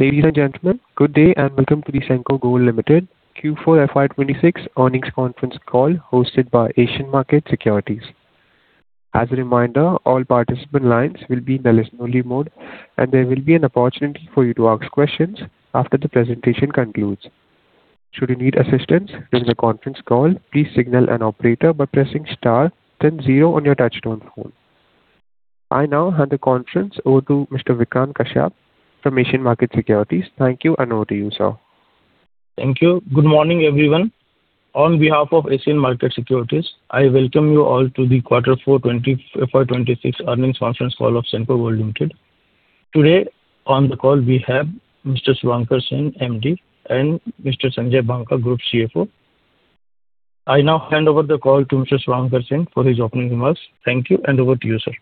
Ladies and gentlemen, good day and welcome to the Senco Gold Limited Q4 FY 2026 earnings conference call hosted by Asian Markets Securities. As a reminder, all participant lines will be in listen only mode, and there will be an opportunity for you to ask questions after the presentation concludes. Should you need assistance there is a conference call please signal an operator, by pressing star then zero on your touchtone telephone. I now hand the conference over to Mr. Vikrant Kashyap from Asian Markets Securities. Thank you and over to you, sir. Thank you. Good morning, everyone. On behalf of Asian Markets Securities, I welcome you all to the Quarter four FY 2026 earnings conference call of Senco Gold Limited. Today on the call we have Mr. Suvankar Sen, MD, and Mr. Sanjay Banka, Group CFO. I now hand over the call to Mr. Suvankar Sen for his opening remarks. Thank you, and over to you, sir.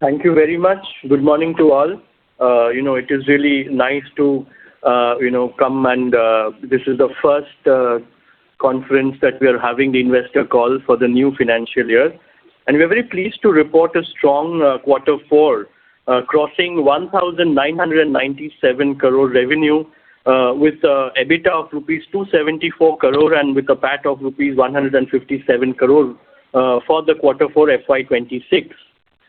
Thank you very much. Good morning to all. It is really nice to come and this is the first conference that we are having, the investor call for the new financial year. We're very pleased to report a strong quarter four, crossing 1,997 crore revenue, with an EBITDA of rupees 274 crore, and with a PAT of rupees 157 crore for the quarter four FY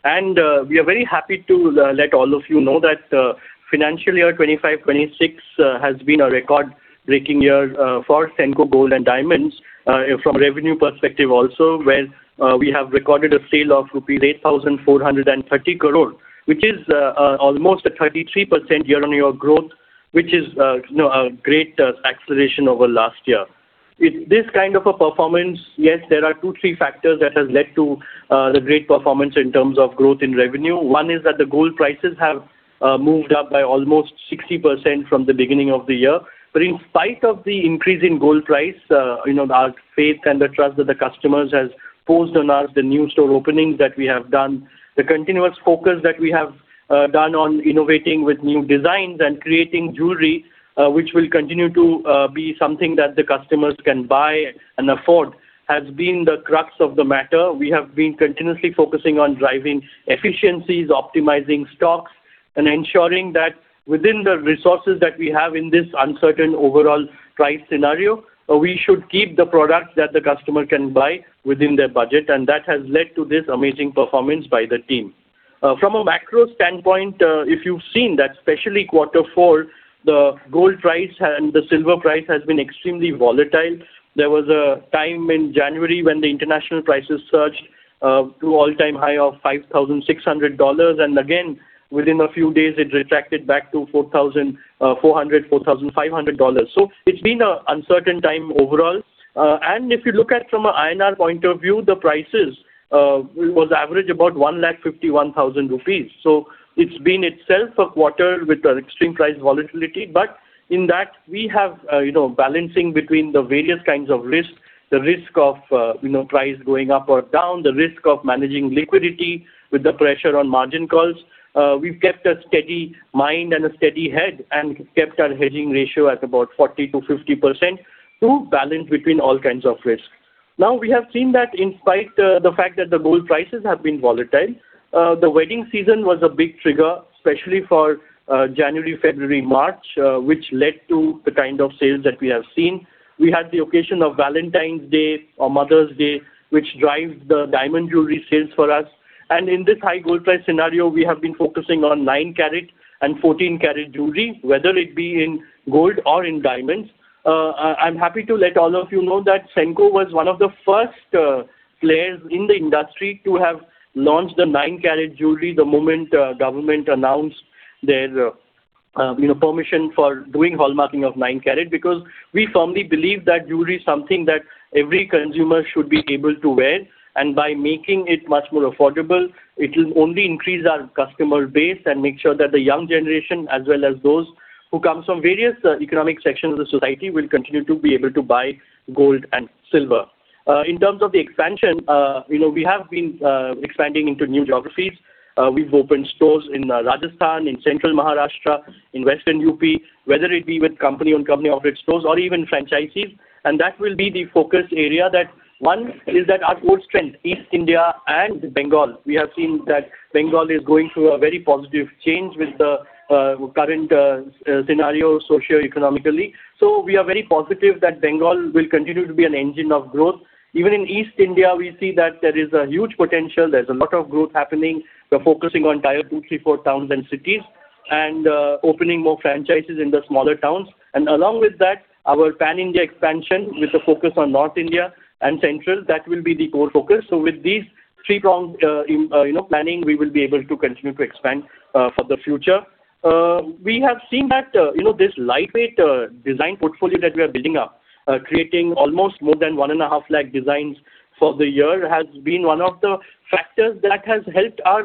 2026. We are very happy to let all of you know that financial year 2025-2026 has been a record-breaking year for Senco Gold and Diamonds from revenue perspective also, where we have recorded a sale of rupees 8,430 crore, which is almost a 33% year-on-year growth, which is a great acceleration over last year. With this kind of a performance, yes, there are two, three factors that has led to the great performance in terms of growth in revenue. One is that the gold prices have moved up by almost 60% from the beginning of the year. In spite of the increase in gold price, our faith and the trust that the customers has posed on us, the new store openings that we have done, the continuous focus that we have done on innovating with new designs and creating jewelry, which will continue to be something that the customers can buy and afford, has been the crux of the matter. We have been continuously focusing on driving efficiencies, optimizing stocks, and ensuring that within the resources that we have in this uncertain overall price scenario, we should keep the products that the customer can buy within their budget, and that has led to this amazing performance by the team. From a macro standpoint, if you've seen that especially quarter four, the gold price and the silver price has been extremely volatile. There was a time in January when the international prices surged to all-time high of $5,600, again, within a few days it retracted back to $4,400-$4,500. It's been an uncertain time overall. If you look at from a INR point of view, the prices was average about 1.51 lakh. It's been itself a quarter with extreme price volatility. In that we have a balancing between the various kinds of risk, the risk of price going up or down, the risk of managing liquidity with the pressure on margin calls. We've kept a steady mind and a steady head and kept our hedging ratio at about 40%-50% to balance between all kinds of risk. We have seen that in spite the fact that the gold prices have been volatile, the wedding season was a big trigger, especially for January, February, March, which led to the kind of sales that we have seen. We had the occasion of Valentine's Day or Mother's Day, which drives the diamond jewelry sales for us. In this high gold price scenario, we have been focusing on 9 carat and 14 carat jewelry, whether it be in gold or in diamonds. I'm happy to let all of you know that Senco was one of the first players in the industry to have launched the 9 carat jewelry the moment government announced their permission for doing hallmarking of 9 carat. Because we firmly believe that jewelry is something that every consumer should be able to wear, and by making it much more affordable, it will only increase our customer base and make sure that the young generation, as well as those who come from various economic sections of the society, will continue to be able to buy gold and silver. In terms of the expansion, we have been expanding into new geographies. We've opened stores in Rajasthan, in central Maharashtra, in western U.P., whether it be with company-on-company operated stores or even franchisees. That will be the focus area. That one is that our core strength, East India and Bengal. We have seen that Bengal is going through a very positive change with the current scenario socioeconomically. We are very positive that Bengal will continue to be an engine of growth. Even in East India, we see that there is a huge potential. There's a lot of growth happening. We're focusing on tier 2, 3, 4 towns and cities and opening more franchises in the smaller towns. Along with that, our pan-India expansion with a focus on North India and Central, that will be the core focus. With these three planning, we will be able to continue to expand for the future. We have seen that this lightweight design portfolio that we are building up, creating almost more than 1.5 lakh designs for the year, has been one of the factors that has helped our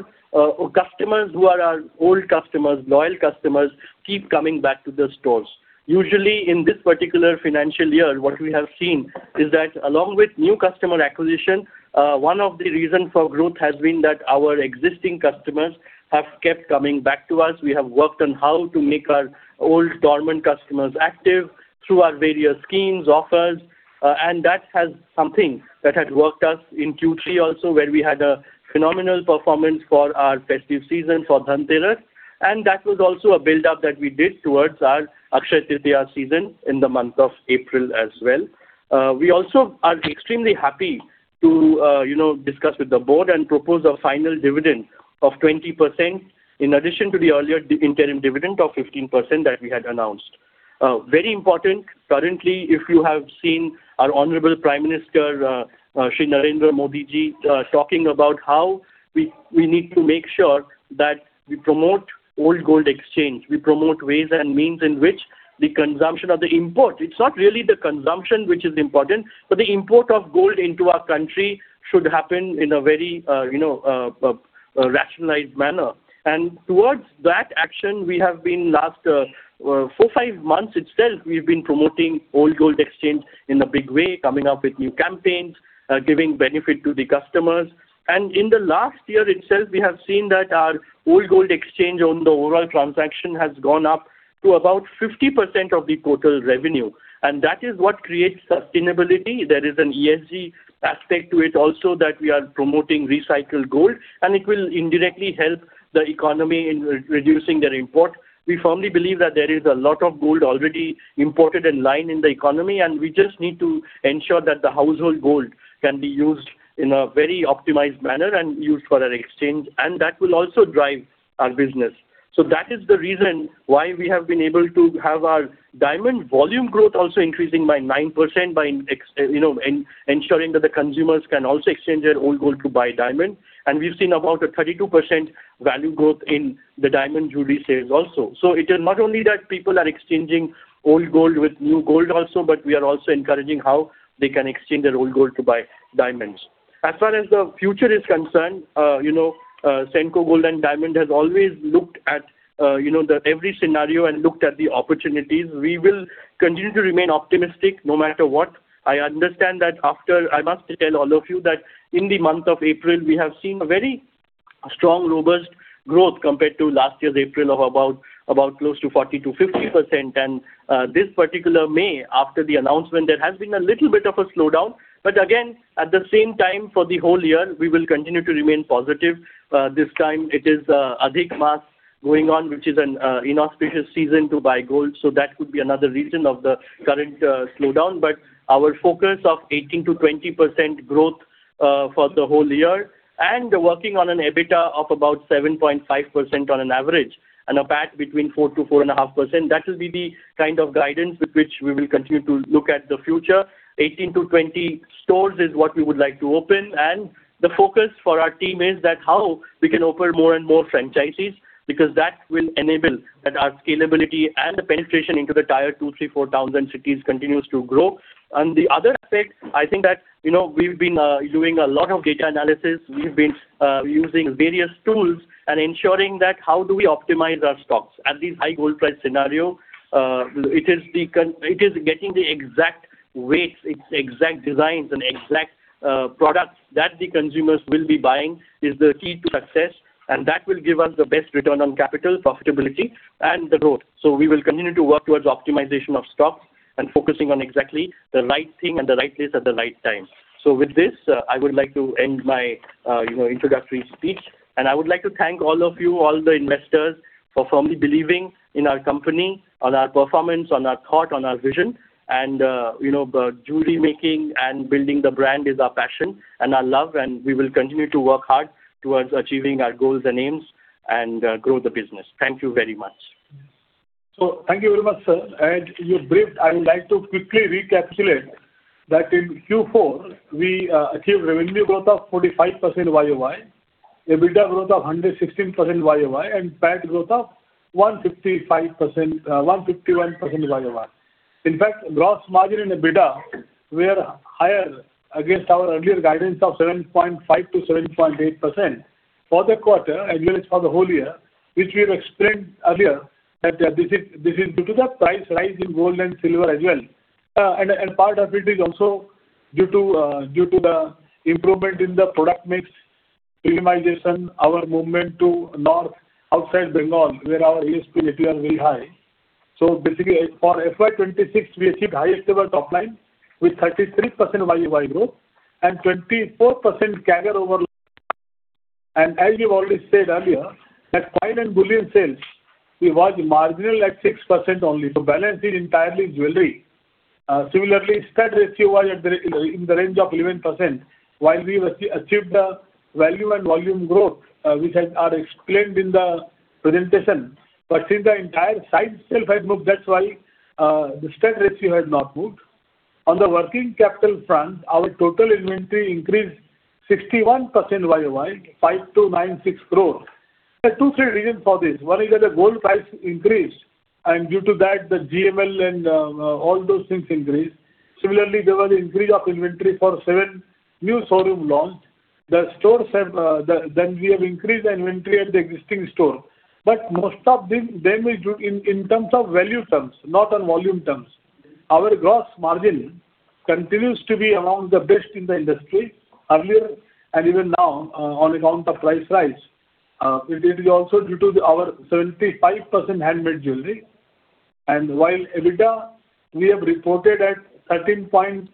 customers who are our old customers, loyal customers, keep coming back to the stores. Usually in this particular financial year, what we have seen is that along with new customer acquisition, one of the reason for growth has been that our existing customers have kept coming back to us. We have worked on how to make our old dormant customers active through our various schemes, offers, and that has something that had worked us in Q3 also, where we had a phenomenal performance for our festive season for Dhanteras, and that was also a build-up that we did towards our Akshaya Tritiya season in the month of April as well. We also are extremely happy to discuss with the board and propose a final dividend of 20%, in addition to the earlier interim dividend of 15% that we had announced. Very important, currently, if you have seen our honorable Prime Minister, Shri Narendra Modi Ji, talking about how we need to make sure that we promote old gold exchange. We promote ways and means in which the consumption of the import. It's not really the consumption which is important, but the import of gold into our country should happen in a very rationalized manner. Towards that action, we have been, last four, five months itself, we've been promoting old gold exchange in a big way, coming up with new campaigns, giving benefit to the customers. In the last year itself, we have seen that our old gold exchange on the overall transaction has gone up to about 50% of the total revenue. That is what creates sustainability. There is an ESG aspect to it also that we are promoting recycled gold, and it will indirectly help the economy in reducing their import. We firmly believe that there is a lot of gold already imported and lying in the economy, and we just need to ensure that the household gold can be used in a very optimized manner and used for our exchange, and that will also drive our business. That is the reason why we have been able to have our diamond volume growth also increasing by 9% by ensuring that the consumers can also exchange their old gold to buy diamonds. We've seen about a 32% value growth in the diamond jewelry sales also. It is not only that people are exchanging old gold with new gold also, but we are also encouraging how they can exchange their old gold to buy diamonds. As far as the future is concerned, Senco Gold and Diamonds has always looked at every scenario and looked at the opportunities. We will continue to remain optimistic no matter what. I must tell all of you that in the month of April, we have seen a very strong, robust growth compared to last year's April of about close to 40%-50%. This particular May, after the announcement, there has been a little bit of a slowdown. Again, at the same time, for the whole year, we will continue to remain positive. This time it is Adhik Maas going on, which is an inauspicious season to buy gold. That could be another reason of the current slowdown. Our focus of 18%-20% growth for the whole year and working on an EBITDA of about 7.5% on an average and a PAT between 4%-4.5%, that will be the kind of guidance with which we will continue to look at the future. 18-20 stores is what we would like to open. The focus for our team is that how we can open more and more franchises, because that will enable that our scalability and the penetration into the tier 2, 3, 4 towns and cities continues to grow. On the other aspect, I think that we've been doing a lot of data analysis. We've been using various tools and ensuring that how do we optimize our stocks at this high gold price scenario? It is getting the exact weights, exact designs, and exact products that the consumers will be buying is the key to success. That will give us the best return on capital profitability and the growth. We will continue to work towards optimization of stock and focusing on exactly the right thing and the right place at the right time. With this, I would like to end my introductory speech, and I would like to thank all of you, all the investors, for firmly believing in our company, on our performance, on our thought, on our vision. Jewellery making and building the brand is our passion and our love, and we will continue to work hard towards achieving our goals and aims and grow the business. Thank you very much. Thank you very much, sir. You briefed, I would like to quickly recapitulate that in Q4, we achieved revenue growth of 45% YOY, EBITDA growth of 116% YOY, and PAT growth of 151% YOY. In fact, gross margin and EBITDA were higher against our earlier guidance of 7.5%-7.8% for the quarter and guidance for the whole year, which we have explained earlier that this is due to the price rise in gold and silver as well. Part of it is also due to the improvement in the product mix, premiumization, our movement to north outside Bengal where our ASPs are very high. Basically, for FY 2026, we achieved highest ever top line with 33% YOY growth and 24% CAGR over. As you already said earlier, that coin and bullion sales, we were marginal at 6% only. Balance is entirely jewelry. Similarly, stock ratio was in the range of 11%, while we achieved the value and volume growth, which are explained in the presentation. Since the entire size itself had moved, that's why the stock ratio has not moved. On the working capital front, our total inventory increased 61% YOY, 5,296 crores. There are two, three reasons for this. One is that the gold price increased, and due to that, the GML and all those things increased. Similarly, there was increase of inventory for seven new showroom launch. We have increased the inventory at the existing store. Most of them is due in terms of value terms, not on volume terms. Our gross margin continues to be among the best in the industry earlier and even now on account of price rise. It is also due to our 75% handmade jewelry. While EBITDA, we have reported at 13.7%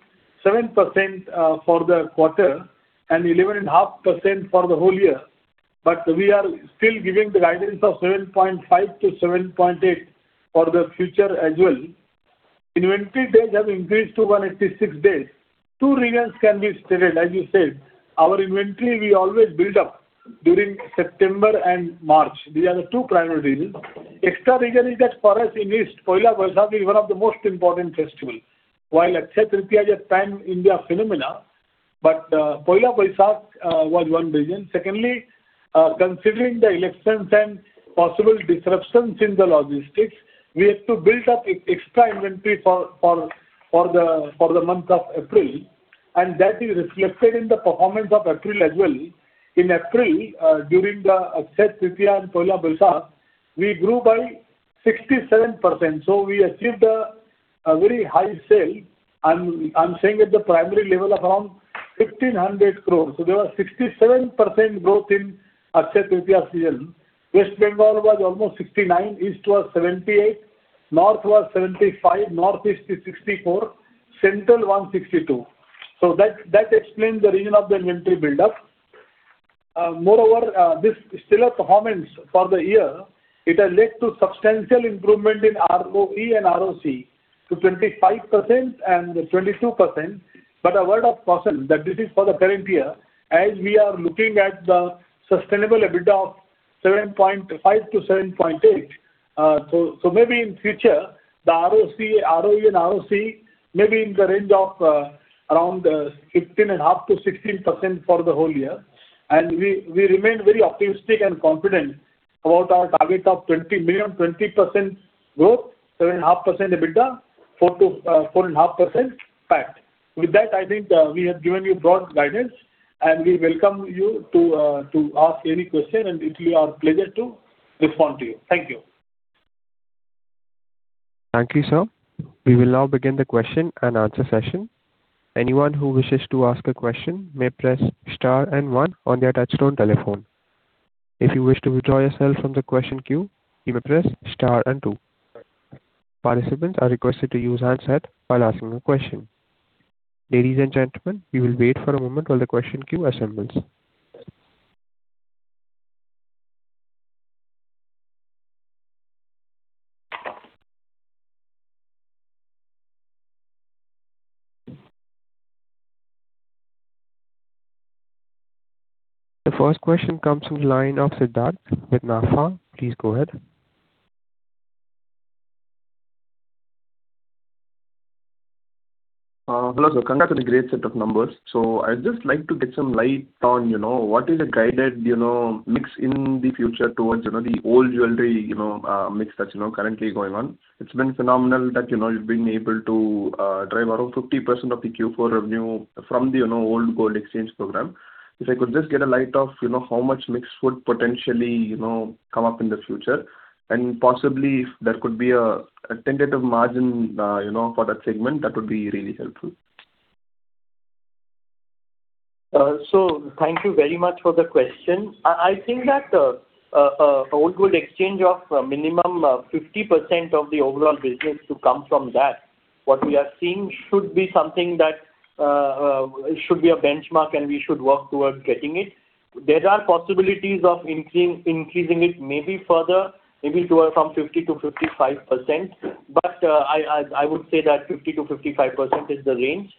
for the quarter and 11.5% for the whole year. We are still giving the guidance of 7.5%-7.8% for the future as well. Inventory days have increased to 186 days. Two reasons can be stated, as you said, our inventory we always build up during September and March. These are the two primary reasons. Extra reason is that for us in east, Poila Boishakh is one of the most important festivals. While Akshaya Tritiya is a pan-India phenomenon, but Poila Boishakh was one reason. Secondly, considering the elections and possible disruptions in the logistics, we have to build up extra inventory for the month of April, and that is reflected in the performance of April as well. In April, during the Akshaya Tritiya and Poila Boishakh, we grew by 67%. We achieved a very high sale. I'm saying at the primary level of around 1,600 crores. There was 67% growth in Akshaya Tritiya season. West Bengal was almost 69, East was 78, North was 75, Northeast is 64, Central 162. That explains the reason of the inventory buildup. Moreover, this stellar performance for the year, it has led to substantial improvement in ROE and ROCE to 25% and 22%. A word of caution that this is for the current year, as we are looking at the sustainable EBITDA of 7.5-7.8. Maybe in future, the ROE and ROCE may be in the range of around 15.5%-16% for the whole year. We remain very optimistic and confident about our target of 20 million, 20% growth, 7.5% EBITDA, 4.5% PAT. With that, I think we have given you broad guidance, and we welcome you to ask any question, and it will be our pleasure to respond to you. Thank you. Thank you, sir. We will now begin the question and answer session. Anyone who wishes to ask a question may press star and one on their touchtone telephone. If you wish to withdraw yourself from the question queue, you may press star and two. Participants are requested to use handset while asking a question. Ladies and gentlemen, we will wait for a moment while the question queue assembles. The first question comes from the line of Siddharth with NAFA. Please go ahead. Hello, sir. Congrats on the great set of numbers. I'd just like to get some light on what is the guided mix in the future towards the old jewelry mix that's currently going on. It's been phenomenal that you've been able to drive around 50% of the Q4 revenue from the old gold exchange program. If I could just get a light of how much mix would potentially come up in the future, and possibly if there could be a tentative margin for that segment, that would be really helpful. Thank you very much for the question. I think that old gold exchange of minimum 50% of the overall business to come from that, what we are seeing should be something that should be a benchmark, and we should work towards getting it. There are possibilities of increasing it maybe further, maybe to around 50%-55%, but I would say that 50%-55% is the range.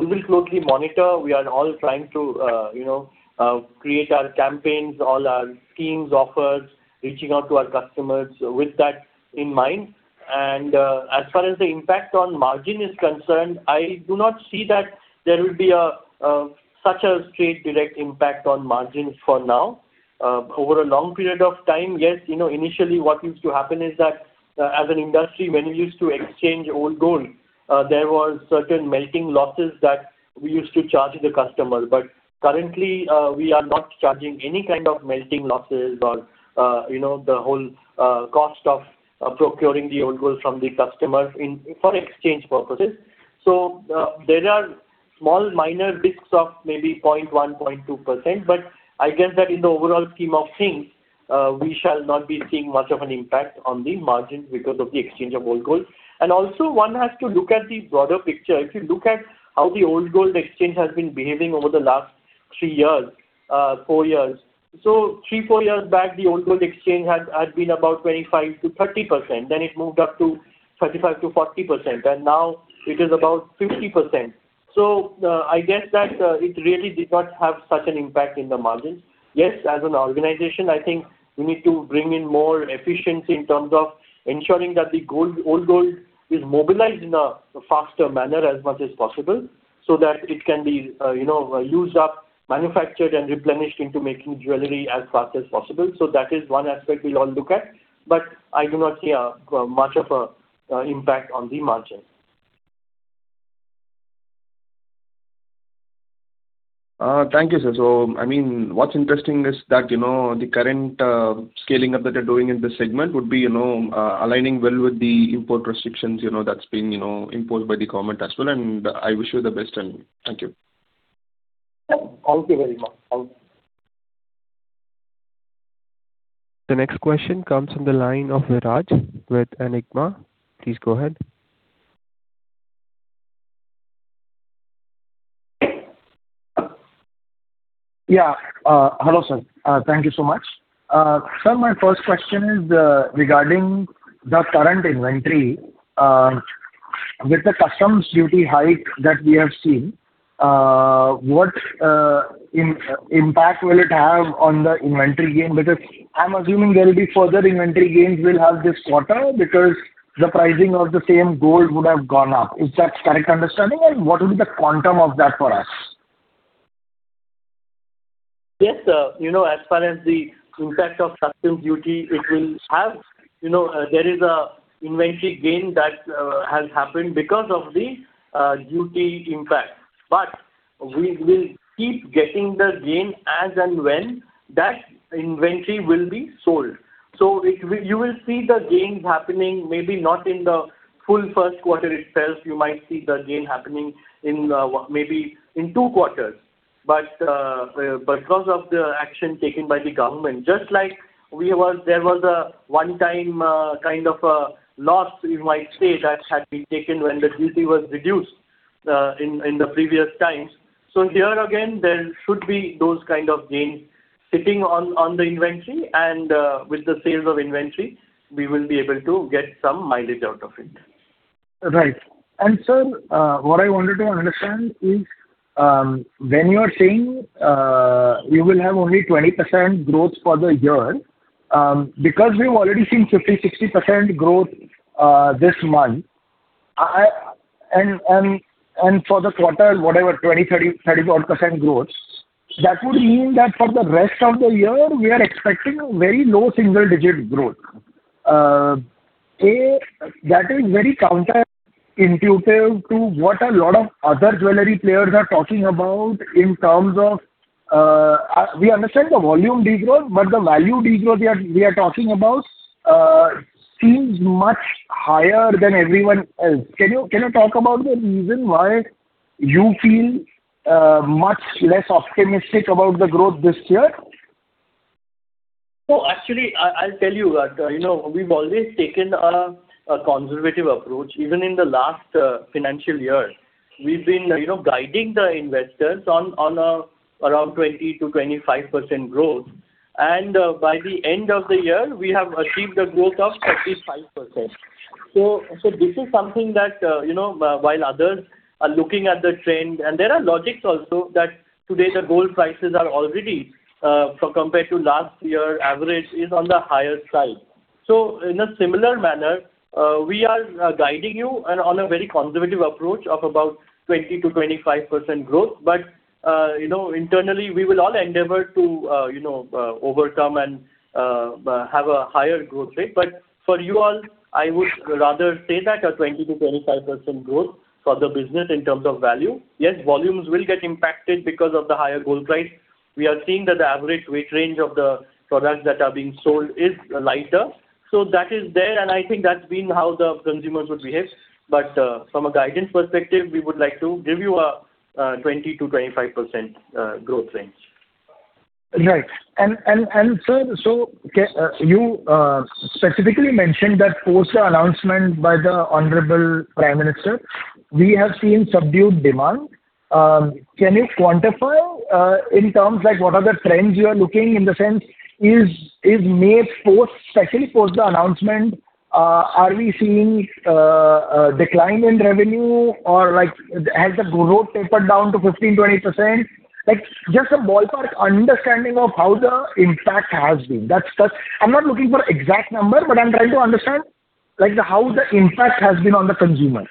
We will closely monitor. We are all trying to create our campaigns, all our schemes, offers, reaching out to our customers with that in mind. As far as the impact on margin is concerned, I do not see that there will be such a straight direct impact on margins for now. Over a long period of time, yes. Initially, what used to happen is that as an industry, when you used to exchange old gold there was certain melting losses that we used to charge the customer. Currently, we are not charging any kind of melting losses or the whole cost of procuring the old gold from the customers for exchange purposes. There are small minor bits of maybe 0.1%, 0.2%, but I guess that in the overall scheme of things, we shall not be seeing much of an impact on the margin because of the exchange of old gold. Also one has to look at the broader picture. If you look at how the old gold exchange has been behaving over the last three years, four years. Three, four years back, the old gold exchange had been about 25%-30%, then it moved up to 35%-40%, and now it is about 50%. I guess that it really did not have such an impact in the margin. Yes, as an organization, I think we need to bring in more efficiency in terms of ensuring that the old gold is mobilized in a faster manner as much as possible, so that it can be used up, manufactured, and replenished into making jewelry as fast as possible. That is one aspect we'll all look at, but I do not see much of an impact on the margin. Thank you, sir. What's interesting is that the current scaling up that you're doing in this segment would be aligning well with the import restrictions that's been imposed by the government as well. I wish you the best. Thank you. Thank you very much. The next question comes from the line of Viraj with Enigma. Please go ahead. Hello, sir. Thank you so much. Sir, my first question is regarding the current inventory. With the customs duty hike that we have seen, what impact will it have on the inventory gain? I'm assuming there will be further inventory gains we'll have this quarter because the pricing of the same gold would have gone up. Is that correct understanding? What will be the quantum of that for us? Yes, sir. As far as the impact of customs duty it will have, there is an inventory gain that has happened because of the duty impact. We will keep getting the gain as and when that inventory will be sold. You will see the gains happening, maybe not in the full first quarter itself. You might see the gain happening maybe in two quarters. Because of the action taken by the government, just like there was a one-time kind of a loss, you might say, that had been taken when the duty was reduced in the previous times. Here again, there should be those kind of gains sitting on the inventory, and with the sales of inventory, we will be able to get some mileage out of it. Right. Sir, what I wanted to understand is, when you are saying you will have only 20% growth for the year, because we've already seen 50%, 60% growth this month, and for the quarter, whatever, 20%, 30%, 30-odd percent growth, that would mean that for the rest of the year, we are expecting a very low single-digit growth. That is very counterintuitive to what a lot of other jewellery players are talking about in terms of, we understand the volume de-growth, but the value de-growth we are talking about seems much higher than everyone else. Can you talk about the reason why you feel much less optimistic about the growth this year? Actually, I'll tell you, we've always taken a conservative approach. Even in the last financial year, we've been guiding the investors on around 20%-25% growth. By the end of the year, we have achieved a growth of 35%. This is something that while others are looking at the trend, there are logics also that today the gold prices are already, compared to last year average, is on the higher side. In a similar manner, we are guiding you and on a very conservative approach of about 20%-25% growth. Internally, we will all endeavor to overcome and have a higher growth rate. For you all, I would rather say that a 20%-25% growth for the business in terms of value. Yes, volumes will get impacted because of the higher gold price. We are seeing that the average weight range of the products that are being sold is lighter. That is there, and I think that's been how the consumers would behave. From a guidance perspective, we would like to give you a 20%-25% growth range. Right. You specifically mentioned that post the announcement by the Honorable Prime Minister, we have seen subdued demand. Can you quantify in terms, like what are the trends you are looking? In the sense, is May 4th, especially post the announcement, are we seeing a decline in revenue? Has the growth tapered down to 15%-20%? Just some ballpark understanding of how the impact has been. I'm not looking for exact number, I'm trying to understand how the impact has been on the consumer.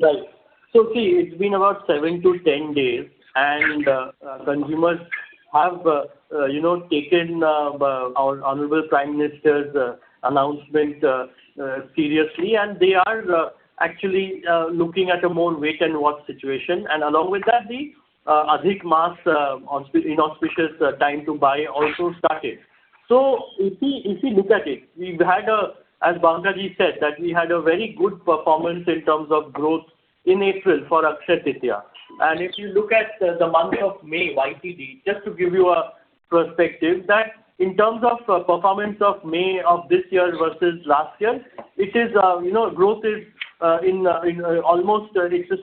See, it's been about seven to 10 days, consumers have taken our Honorable Prime Minister's announcement seriously, and they are actually looking at a more wait-and-watch situation. Along with that, the Adhik Maas inauspicious time to buy also started. If you look at it, as Banka Ji said, that we had a very good performance in terms of growth in April for Akshaya Tritiya. If you look at the month of May YTD, just to give you a perspective that in terms of performance of May of this year versus last year, it's the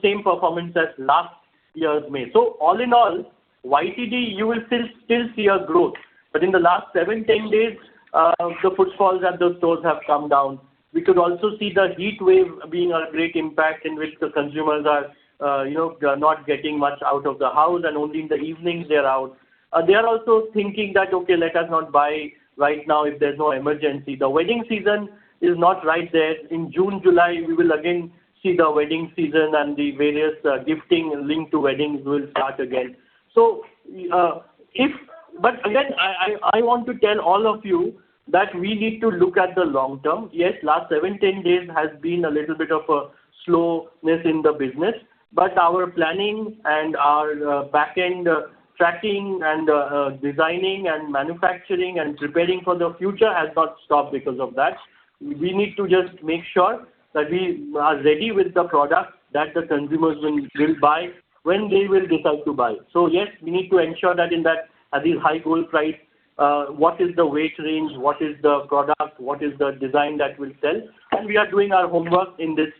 same performance as last year's May. All in all, YTD, you will still see a growth. In the last seven, 10 days, the footfalls at the stores have come down. We could also see the heatwave being a great impact in which the consumers are not getting much out of the house, and only in the evenings they're out. They are also thinking that, okay, let us not buy right now if there's no emergency. The wedding season is not right there. In June, July, we will again see the wedding season and the various gifting linked to weddings will start again. Again, I want to tell all of you that we need to look at the long term. Yes, last seven, 10 days has been a little bit of a slowness in the business, but our planning and our back-end tracking and designing and manufacturing and preparing for the future has not stopped because of that. We need to just make sure that we are ready with the product that the consumers will buy when they will decide to buy. Yes, we need to ensure that in that high gold price, what is the weight range? What is the product? What is the design that will sell? We are doing our homework in this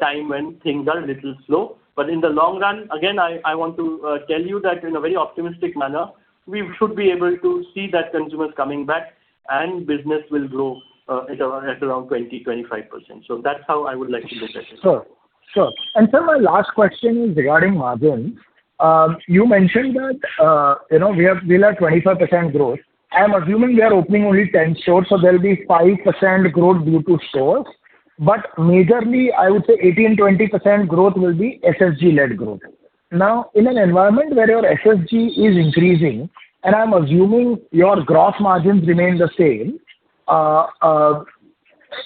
time when things are a little slow. In the long run, again, I want to tell you that in a very optimistic manner, we should be able to see that consumers coming back and business will grow at around 20%-25%. That's how I would like to look at it. Sure. Sir, my last question is regarding margins. You mentioned that we have 25% growth. I am assuming we are opening only 10 stores, so there will be 5% growth due to stores. Majorly, I would say 18%-20% growth will be SSG-led growth. In an environment where your SSG is increasing, I'm assuming your gross margins remain the same,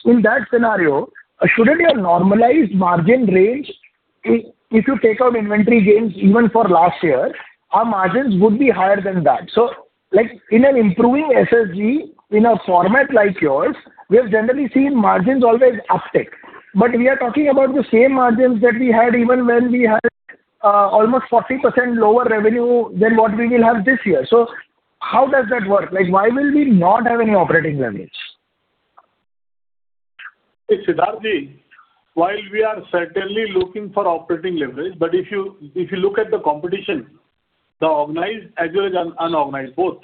in that scenario, shouldn't your normalized margin range, if you take out inventory gains, even for last year, our margins would be higher than that. Like in an improving SSG, in a format like yours, we have generally seen margins always uptick. We are talking about the same margins that we had even when we had almost 40% lower revenue than what we will have this year. How does that work? Why will we not have any operating leverage? Siddharth ji, while we are certainly looking for operating leverage, if you look at the competition, the organized as well as unorganized, both.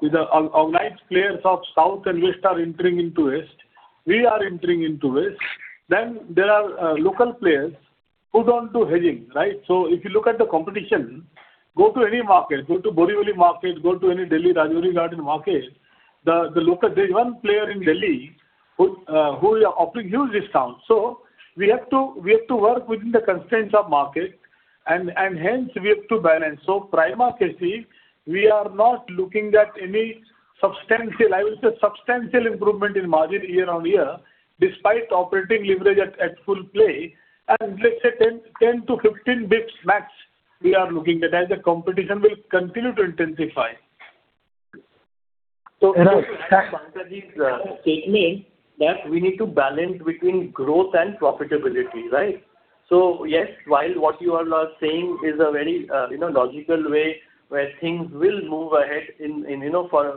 The organized players of South and West are entering into West. We are entering into West. There are local players who don't do hedging. If you look at the competition, go to any market, go to Borivali market, go to any Delhi Rajouri Garden market, there's one player in Delhi who are offering huge discounts. We have to work within the constraints of market, and hence we have to balance. Prima facie, we are not looking at any substantial, I would say, substantial improvement in margin year-on-year, despite operating leverage at full play. Let's say 10-15 basis points max, we are looking, as the competition will continue to intensify. To add to Sanjay Banka Ji's statement, that we need to balance between growth and profitability. Yes, while what you all are saying is a very logical way where things will move ahead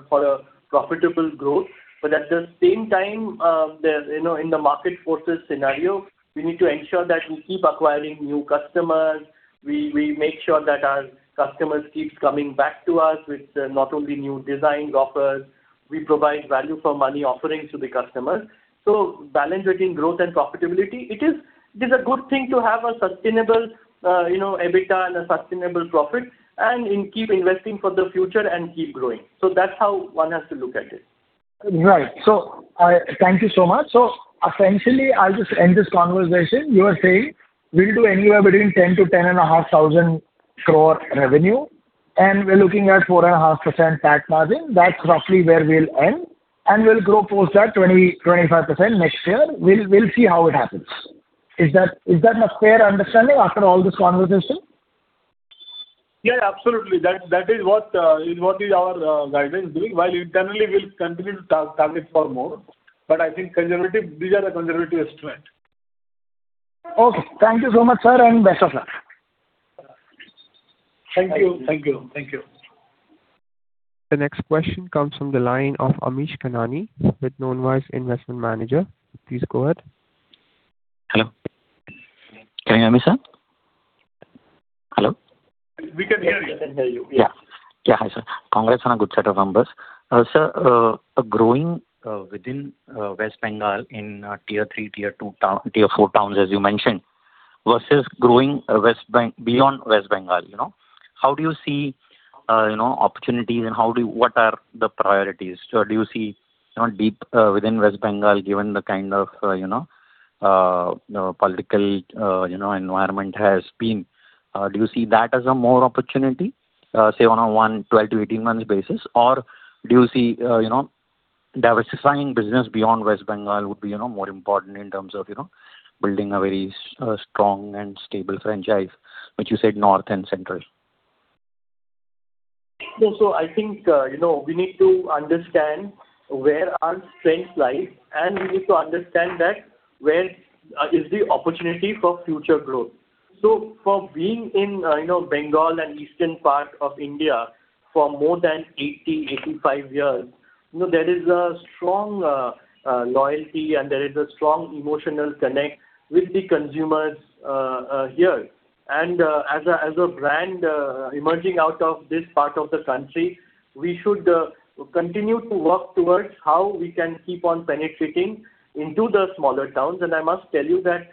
for a profitable growth. At the same time, in the market forces scenario, we need to ensure that we keep acquiring new customers. We make sure that our customers keep coming back to us with not only new design offers, we provide value for money offerings to the customers. Balance between growth and profitability. It is a good thing to have a sustainable EBITDA and a sustainable profit, and keep investing for the future and keep growing. That's how one has to look at it. Right. Thank you so much. Essentially, I'll just end this conversation. You are saying we'll do anywhere between 10,000 crore-10,500 crore revenue, and we're looking at 4.5% PAT margin. That's roughly where we'll end, and we'll grow post that 20%-25% next year. We'll see how it happens. Is that a fair understanding after all this conversation? Yeah, absolutely. That is what our guidance is doing, while internally we'll continue to target for more. I think these are the conservative estimate. Okay. Thank you so much, sir. Best of luck. Thank you. Thank you. Thank you. The next question comes from the line of Amish Kanani with Known Wise Investment Manager. Please go ahead. Hello. Can you hear me, sir? Hello? We can hear you. We can hear you, yeah. Yeah. Hi, sir. Congrats on a good set of numbers. Sir, growing within West Bengal in tier 3, tier 2, tier 4 towns as you mentioned, versus growing beyond West Bengal. How do you see opportunities and what are the priorities? Do you see deep within West Bengal, given the kind of political environment has been, do you see that as a more opportunity, say, on a 12-18 months basis? Or do you see diversifying business beyond West Bengal would be more important in terms of building a very strong and stable franchise, which you said North and Central? I think we need to understand where our strengths lie, and we need to understand that where is the opportunity for future growth. For being in Bengal and eastern part of India for more than 80, 85 years, there is a strong loyalty and there is a strong emotional connect with the consumers here. As a brand emerging out of this part of the country, we should continue to work towards how we can keep on penetrating into the smaller towns. I must tell you that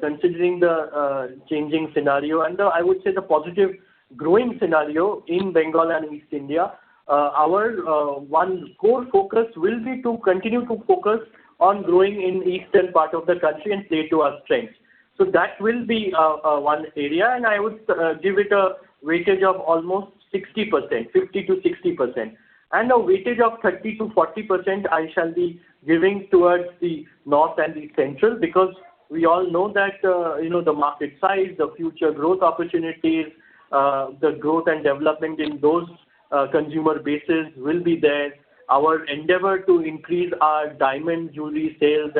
considering the changing scenario, and I would say the positive growing scenario in Bengal and East India, our one core focus will be to continue to focus on growing in eastern part of the country and play to our strengths. That will be one area, and I would give it a weightage of almost 60%, 50%-60%. A weightage of 30%-40% I shall be giving towards the North and the Central, because we all know that the market size, the future growth opportunities, the growth and development in those consumer bases will be there. Our endeavor to increase our diamond jewellery sales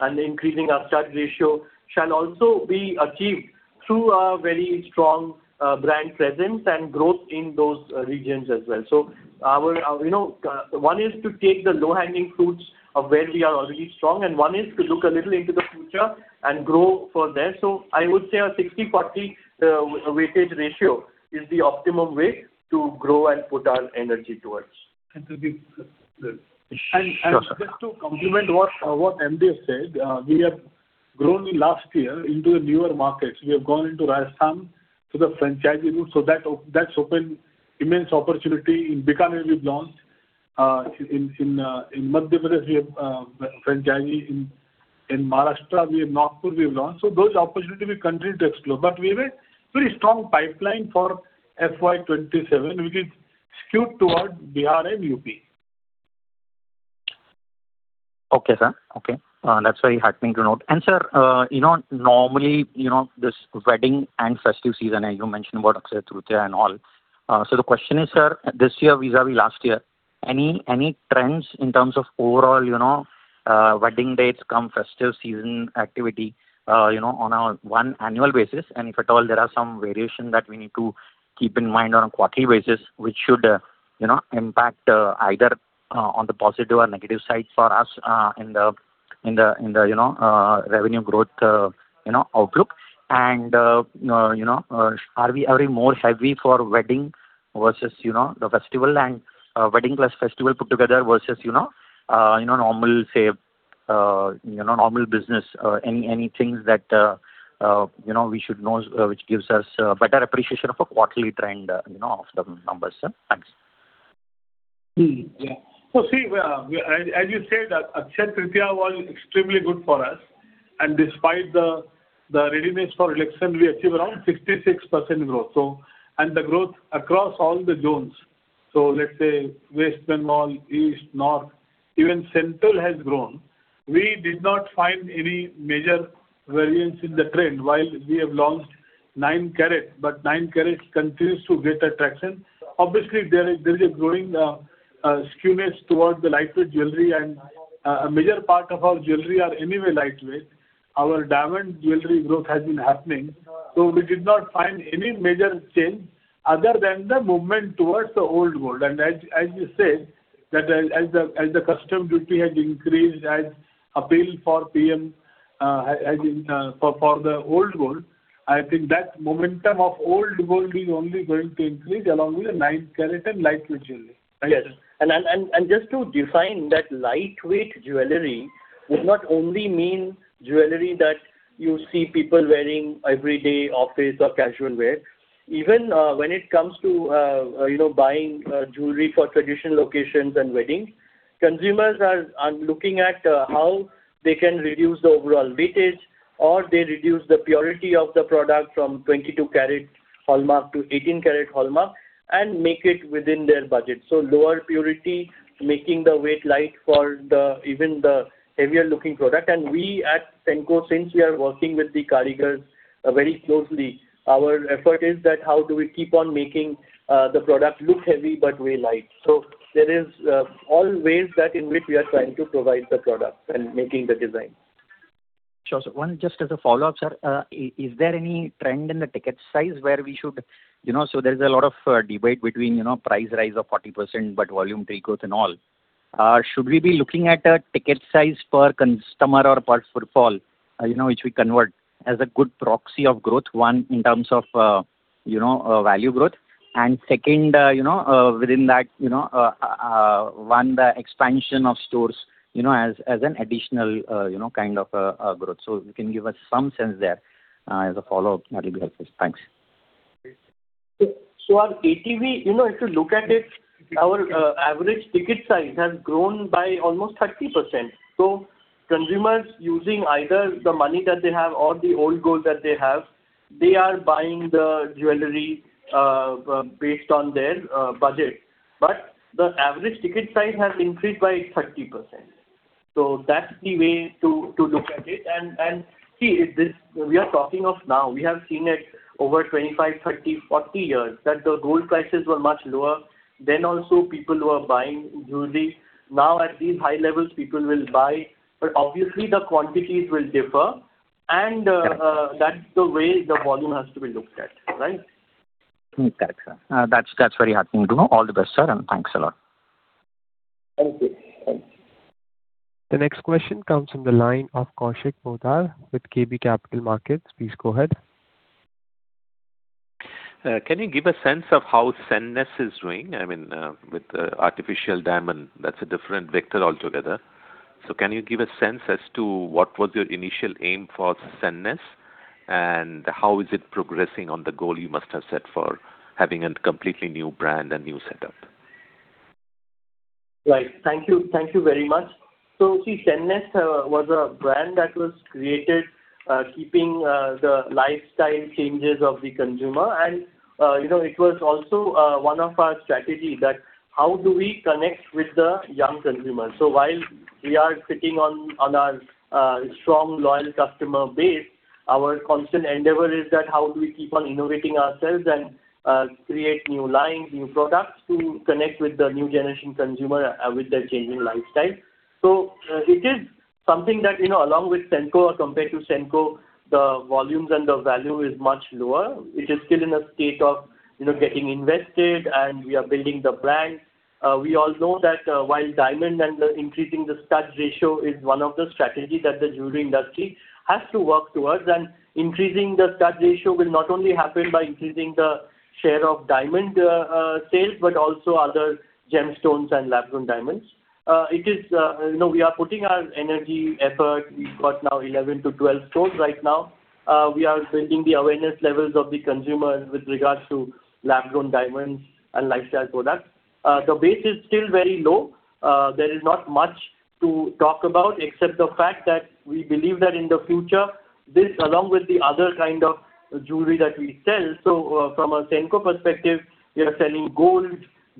and increasing our [charge ratio] shall also be achieved through our very strong brand presence and growth in those regions as well. One is to take the low-hanging fruits of where we are already strong, and one is to look a little into the future and grow for there. I would say a 60-40 weightage ratio is the optimum way to grow and put our energy towards. And to be- Sure. Just to complement what our MD has said, we have grown in last year into newer markets. We have gone into Rajasthan through the franchise route. That's opened immense opportunity. In Bikaner we've launched, in Madhya Pradesh we have a franchisee, in Maharashtra, Nagpur we've launched. Those opportunities we continue to explore. We have a very strong pipeline for FY 2027, which is skewed towards Bihar and U.P. Okay, sir. Okay. That's very heartening to note. Sir, normally, this wedding and festive season, you mentioned about Akshaya Tritiya and all. The question is, sir, this year vis-a-vis last year, any trends in terms of overall wedding dates cum festive season activity on an annual basis? If at all there are some variations that we need to keep in mind on a quarterly basis, which should impact either on the positive or negative side for us in the revenue growth outlook. Are we more heavy for wedding versus the festival and wedding plus festival put together versus normal business? Any things that we should know which gives us a better appreciation of a quarterly trend of the numbers? Thanks. Yeah. See, as you said, Akshaya Tritiya was extremely good for us, and despite the readiness for election, we achieved around 66% growth. The growth across all the zones. Let's say West Bengal, East, North, even Central has grown. We did not find any major variance in the trend while we have launched nine carats, but nine carats continues to get attraction. Obviously, there is a growing skewness towards the lightweight jewelry and a major part of our jewelry are anyway lightweight. Our diamond jewelry growth has been happening. We did not find any major change other than the movement towards the old gold. As you said, that as the custom duty has increased as appeal for PM for the old gold, I think that momentum of old gold is only going to increase along with the nine carat and lightweight jewelry. Yes. Just to define that lightweight jewelry would not only mean jewelry that you see people wearing every day, office or casual wear. Even when it comes to buying jewelry for traditional occasions and weddings, consumers are looking at how they can reduce the overall weightage, or they reduce the purity of the product from 22 karat hallmark to 18 karat hallmark and make it within their budget. Lower purity, making the weight light for even the heavier-looking product. We at Senco, since we are working with the karigars very closely, our effort is that how do we keep on making the product look heavy but weigh light. There is all ways that in which we are trying to provide the product and making the design. Sure, sir. One just as a follow-up, sir. Is there any trend in the ticket size? There's a lot of debate between price rise of 40%, but volume take growth and all. Should we be looking at a ticket size per customer or per footfall which we convert as a good proxy of growth, one, in terms of value growth, and second, within that, the expansion of stores as an additional kind of growth. If you can give us some sense there as a follow-up, that'll be helpful. Thanks. Our ATV, if you look at it, our average ticket size has grown by almost 30%. Consumers using either the money that they have or the old gold that they have, they are buying the jewelry based on their budget. The average ticket size has increased by 30%. That's the way to look at it. See, we are talking of now. We have seen it over 25, 30, 40 years that the gold prices were much lower then also people were buying jewelry. At these high levels, people will buy, but obviously the quantities will differ. Yeah that's the way the volume has to be looked at, right? Got it, sir. That's very heartening to know. All the best, sir, and thanks a lot. Thank you. Thanks. The next question comes from the line of Kaushik Poddar with KB Capital Markets. Please go ahead. Can you give a sense of how Sennes is doing? I mean, with artificial diamond, that's a different vector altogether. Can you give a sense as to what was your initial aim for Sennes and how is it progressing on the goal you must have set for having a completely new brand and new setup? Right. Thank you. Thank you very much. See, Sennes was a brand that was created keeping the lifestyle changes of the consumer and it was also one of our strategies that how do we connect with the young consumer. While we are sitting on our strong loyal customer base. Our constant endeavor is that how do we keep on innovating ourselves and create new lines, new products to connect with the new generation consumer with their changing lifestyle. It is something that, along with Senco or compared to Senco, the volumes and the value is much lower. It is still in a state of getting invested, and we are building the brand. We all know that while diamond and increasing the stud ratio is one of the strategies that the jewelry industry has to work towards. Increasing the stud ratio will not only happen by increasing the share of diamond sales, but also other gemstones and lab-grown diamonds. We are putting our energy, effort. We've got now 11 to 12 stores right now. We are building the awareness levels of the consumers with regards to lab-grown diamonds and lifestyle products. The base is still very low. There is not much to talk about except the fact that we believe that in the future, this along with the other kind of jewelry that we sell. From a Senco perspective, we are selling gold,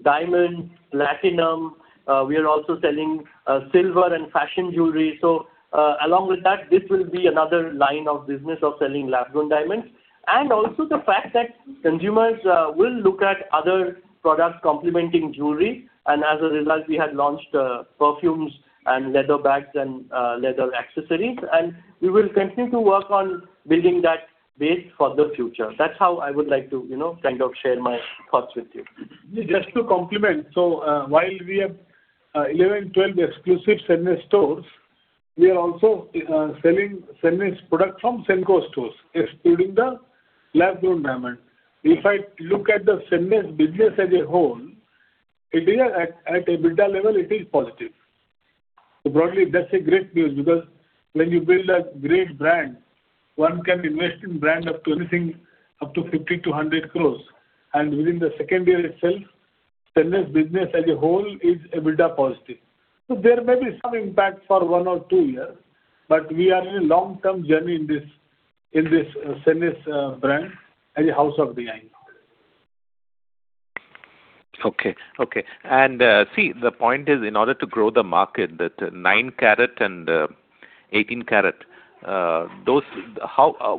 diamond, platinum. We are also selling silver and fashion jewelry. Along with that, this will be another line of business of selling lab-grown diamonds. Also the fact that consumers will look at other products complementing jewelry, and as a result, we had launched perfumes and leather bags and leather accessories. We will continue to work on building that base for the future. That's how I would like to share my thoughts with you. Just to complement. While we have 11-12 exclusive Sennes stores, we are also selling Sennes product from Senco stores, excluding the lab-grown diamond. If I look at the Sennes business as a whole, at EBITDA level, it is positive. Broadly, that's a great news because when you build a great brand, one can invest in brand up to anything up to 50-100 crores. Within the second year itself, Sennes business as a whole is EBITDA positive. There may be some impact for one or two years, but we are in a long-term journey in this Sennes brand as a house of the diamond. Okay. See, the point is, in order to grow the market, that 9 carat and 18 carat, how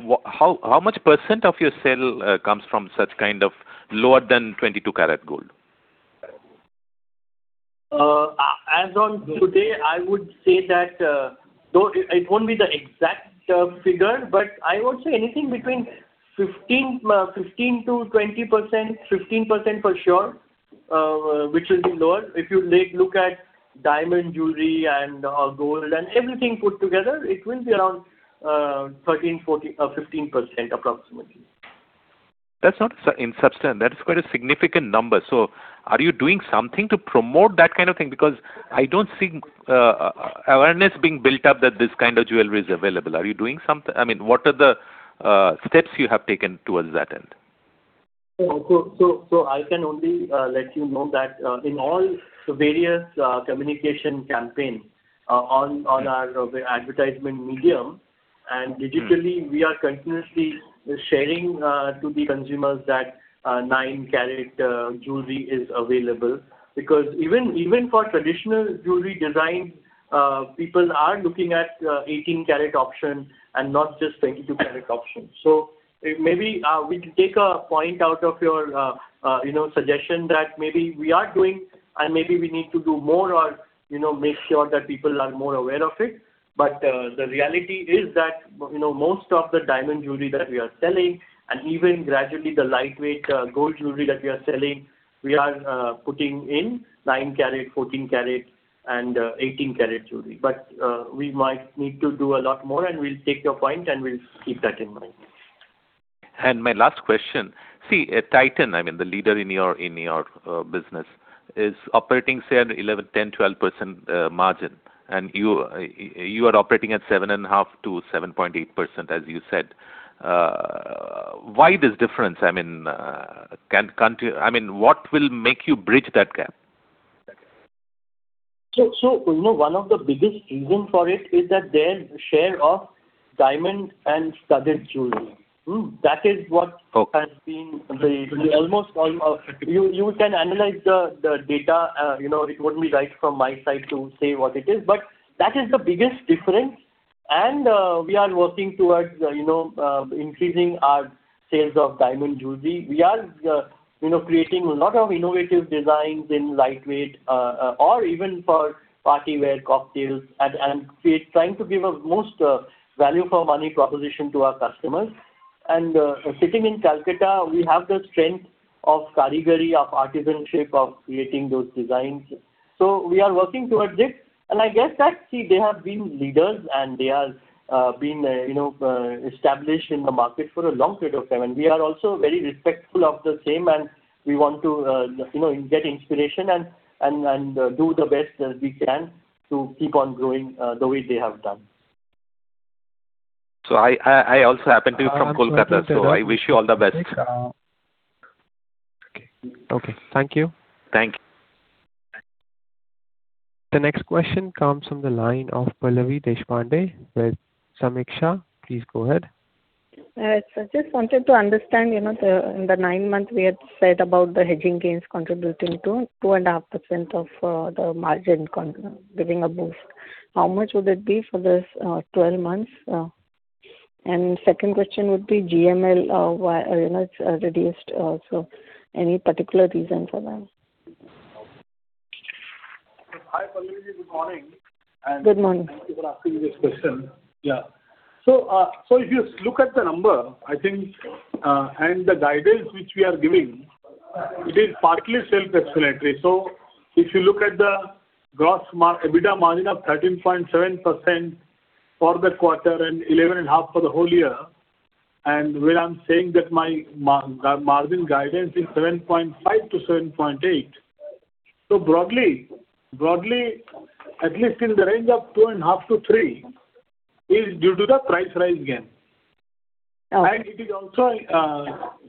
much percent of your sale comes from such kind of lower than 22 carat gold? As on today, I would say that it won't be the exact figure, but I would say anything between 15%-20%. 15% for sure, which will be lower. If you look at diamond jewelry and gold and everything put together, it will be around 13%, 14% or 15% approximately. That is quite a significant number. Are you doing something to promote that kind of thing? Because I don't see awareness being built up that this kind of jewelry is available. Are you doing something? What are the steps you have taken towards that end? I can only let you know that in all the various communication campaigns on our advertisement medium and digitally, we are continuously sharing to the consumers that 9 carat jewelry is available. Because even for traditional jewelry design, people are looking at 18 carat option and not just 22 carat option. Maybe we can take a point out of your suggestion that maybe we are doing and maybe we need to do more or make sure that people are more aware of it. The reality is that most of the diamond jewelry that we are selling, and even gradually the lightweight gold jewelry that we are selling, we are putting in 9 carat, 14 carat, and 18 carat jewelry. We might need to do a lot more, and we'll take your point and we'll keep that in mind. My last question. See Titan, the leader in your business, is operating, say, at 10%, 12% margin, and you are operating at 7.5%-7.8%, as you said. Why this difference? What will make you bridge that gap? One of the biggest reason for it is that their share of diamond and studded jewelry. Okay. You can analyze the data. It wouldn't be right from my side to say what it is, but that is the biggest difference. We are working towards increasing our sales of diamond jewelry. We are creating a lot of innovative designs in lightweight, or even for party wear cocktails, and we're trying to give a most value for money proposition to our customers. Sitting in Calcutta, we have the strength of karigari, of artisanship of creating those designs. We are working towards this, and I guess that, see, they have been leaders and they have been established in the market for a long period of time, and we are also very respectful of the same, and we want to get inspiration and do the best that we can to keep on growing the way they have done. I also happen to be from Kolkata. I wish you all the best. Okay. Thank you. Thank you. The next question comes from the line of Pallavi Deshpande with Sameeksha. Please go ahead. Right. Just wanted to understand, in the 9 months we had said about the hedging gains contributing to 2.5% of the margin giving a boost. How much would it be for this 12 months? Second question would be GML, it's reduced also. Any particular reason for that? Hi, Pallavi. Good morning. Good morning. Thank you for asking this question. If you look at the number and the guidance which we are giving, it is partly self-explanatory. If you look at the gross EBITDA margin of 13.7% for the quarter and 11.5% for the whole year, and where I am saying that my margin guidance is 7.5%-7.8%. Broadly, at least in the range of 2.5%-3% is due to the price rise gain. Okay.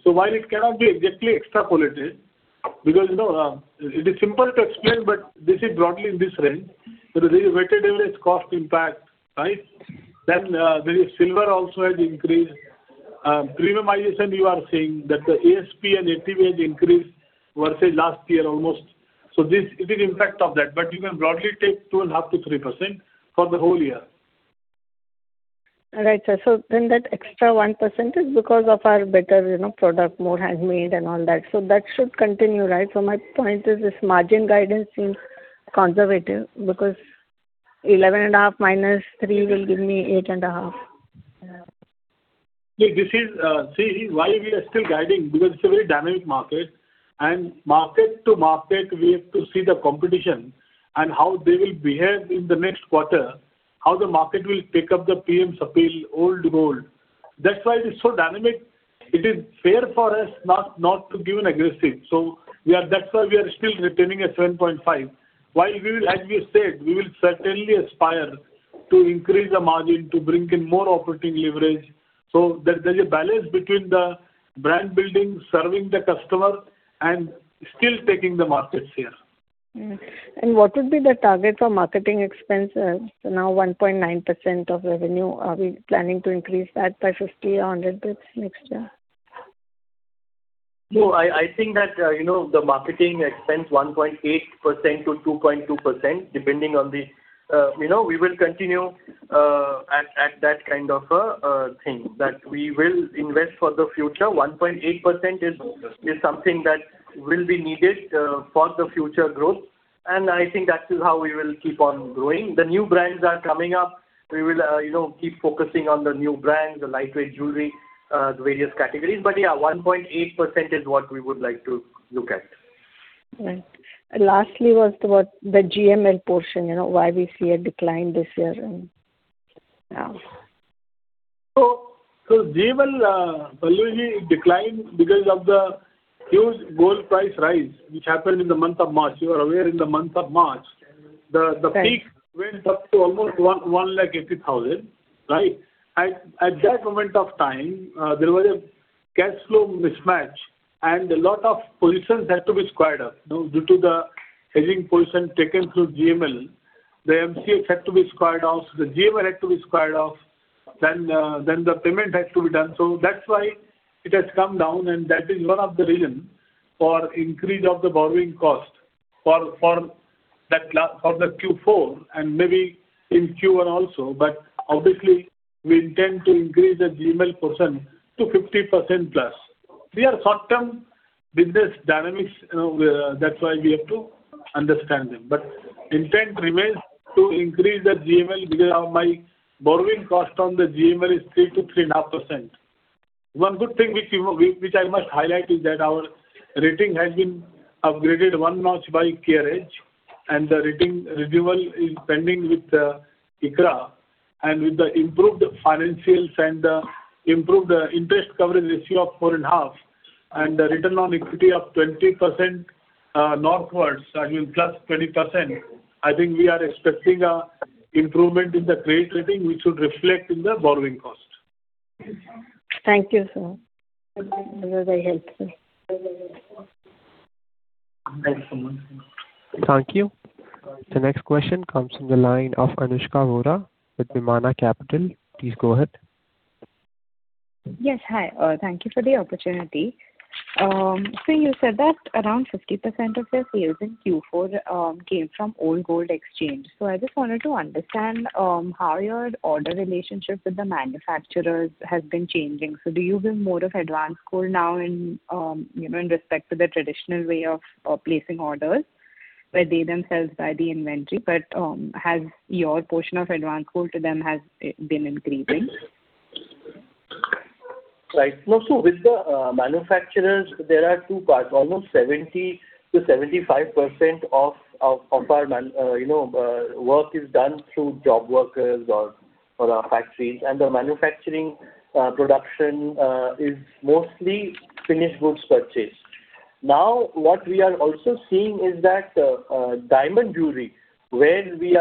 While it cannot be exactly extrapolated, because it is simple to explain, but this is broadly in this range. There is a weighted average cost impact. There is silver also has increased. Premiumization you are seeing that the ASP and ATP has increased versus last year almost. It is impact of that. You can broadly take 2.5%-3% for the whole year. Right, sir. That extra 1% is because of our better product, more handmade and all that. That should continue, right? My point is this margin guidance seems conservative because 11.5 - 3 will give me 8.5. See, this is why we are still guiding, because it's a very dynamic market, and market to market, we have to see the competition and how they will behave in the next quarter, how the market will take up the PM's appeal, old gold. That's why it is so dynamic. It is fair for us not to give an aggressive. That's why we are still retaining a 7.5%. While as we have said, we will certainly aspire to increase the margin to bring in more operating leverage so that there's a balance between the brand building, serving the customer, and still taking the market share. What would be the target for marketing expense? Now 1.9% of revenue. Are we planning to increase that by 50 or 100 basis points next year? No, I think that the marketing expense 1.8%-2.2%, we will continue at that kind of a thing, that we will invest for the future. 1.8% is something that will be needed for the future growth. I think that is how we will keep on growing. The new brands are coming up. We will keep focusing on the new brands, the lightweight jewelry, the various categories. Yeah, 1.8% is what we would like to look at. Right. Lastly, was about the GML portion, why we see a decline this year. GML, Pallavi Ji decline because of the huge gold price rise, which happened in the month of March. You are aware, in the month of March- Right the peak went up to almost 1,80,000. At that moment of time, there was a cash flow mismatch, and a lot of positions had to be squared up. Due to the hedging position taken through GML, the MCX had to be squared off, the GML had to be squared off, then the payment had to be done. That's why it has come down, and that is one of the reason for increase of the borrowing cost for the Q4 and maybe in Q1 also. Obviously, we intend to increase the GML portion to 50%+. We are short-term business dynamics. That's why we have to understand them. Intent remains to increase the GML because my borrowing cost on the GML is 3% to 3.5%. One good thing which I must highlight is that our rating has been upgraded one notch by CareEdge. The rating renewal is pending with ICRA. With the improved financials and the improved interest coverage ratio of four and a half, and the return on equity of 20% northwards, I mean plus 20%, I think we are expecting an improvement in the credit rating, which should reflect in the borrowing cost. Thank you, sir. This was very helpful. Thank you so much. Thank you. The next question comes from the line of Anushka Vora with Vimana Capital. Please go ahead. Yes, hi. Thank you for the opportunity. You said that around 50% of your sales in Q4 came from old gold exchange. I just wanted to understand how your order relationship with the manufacturers has been changing. Do you build more of advance gold now in respect to the traditional way of placing orders where they themselves buy the inventory, but has your portion of advance gold to them been increasing? Right. With the manufacturers, there are two parts. Almost 70%-75% of our work is done through job workers or our factories, and the manufacturing production is mostly finished goods purchased. Now, what we are also seeing is that diamond jewelry, where we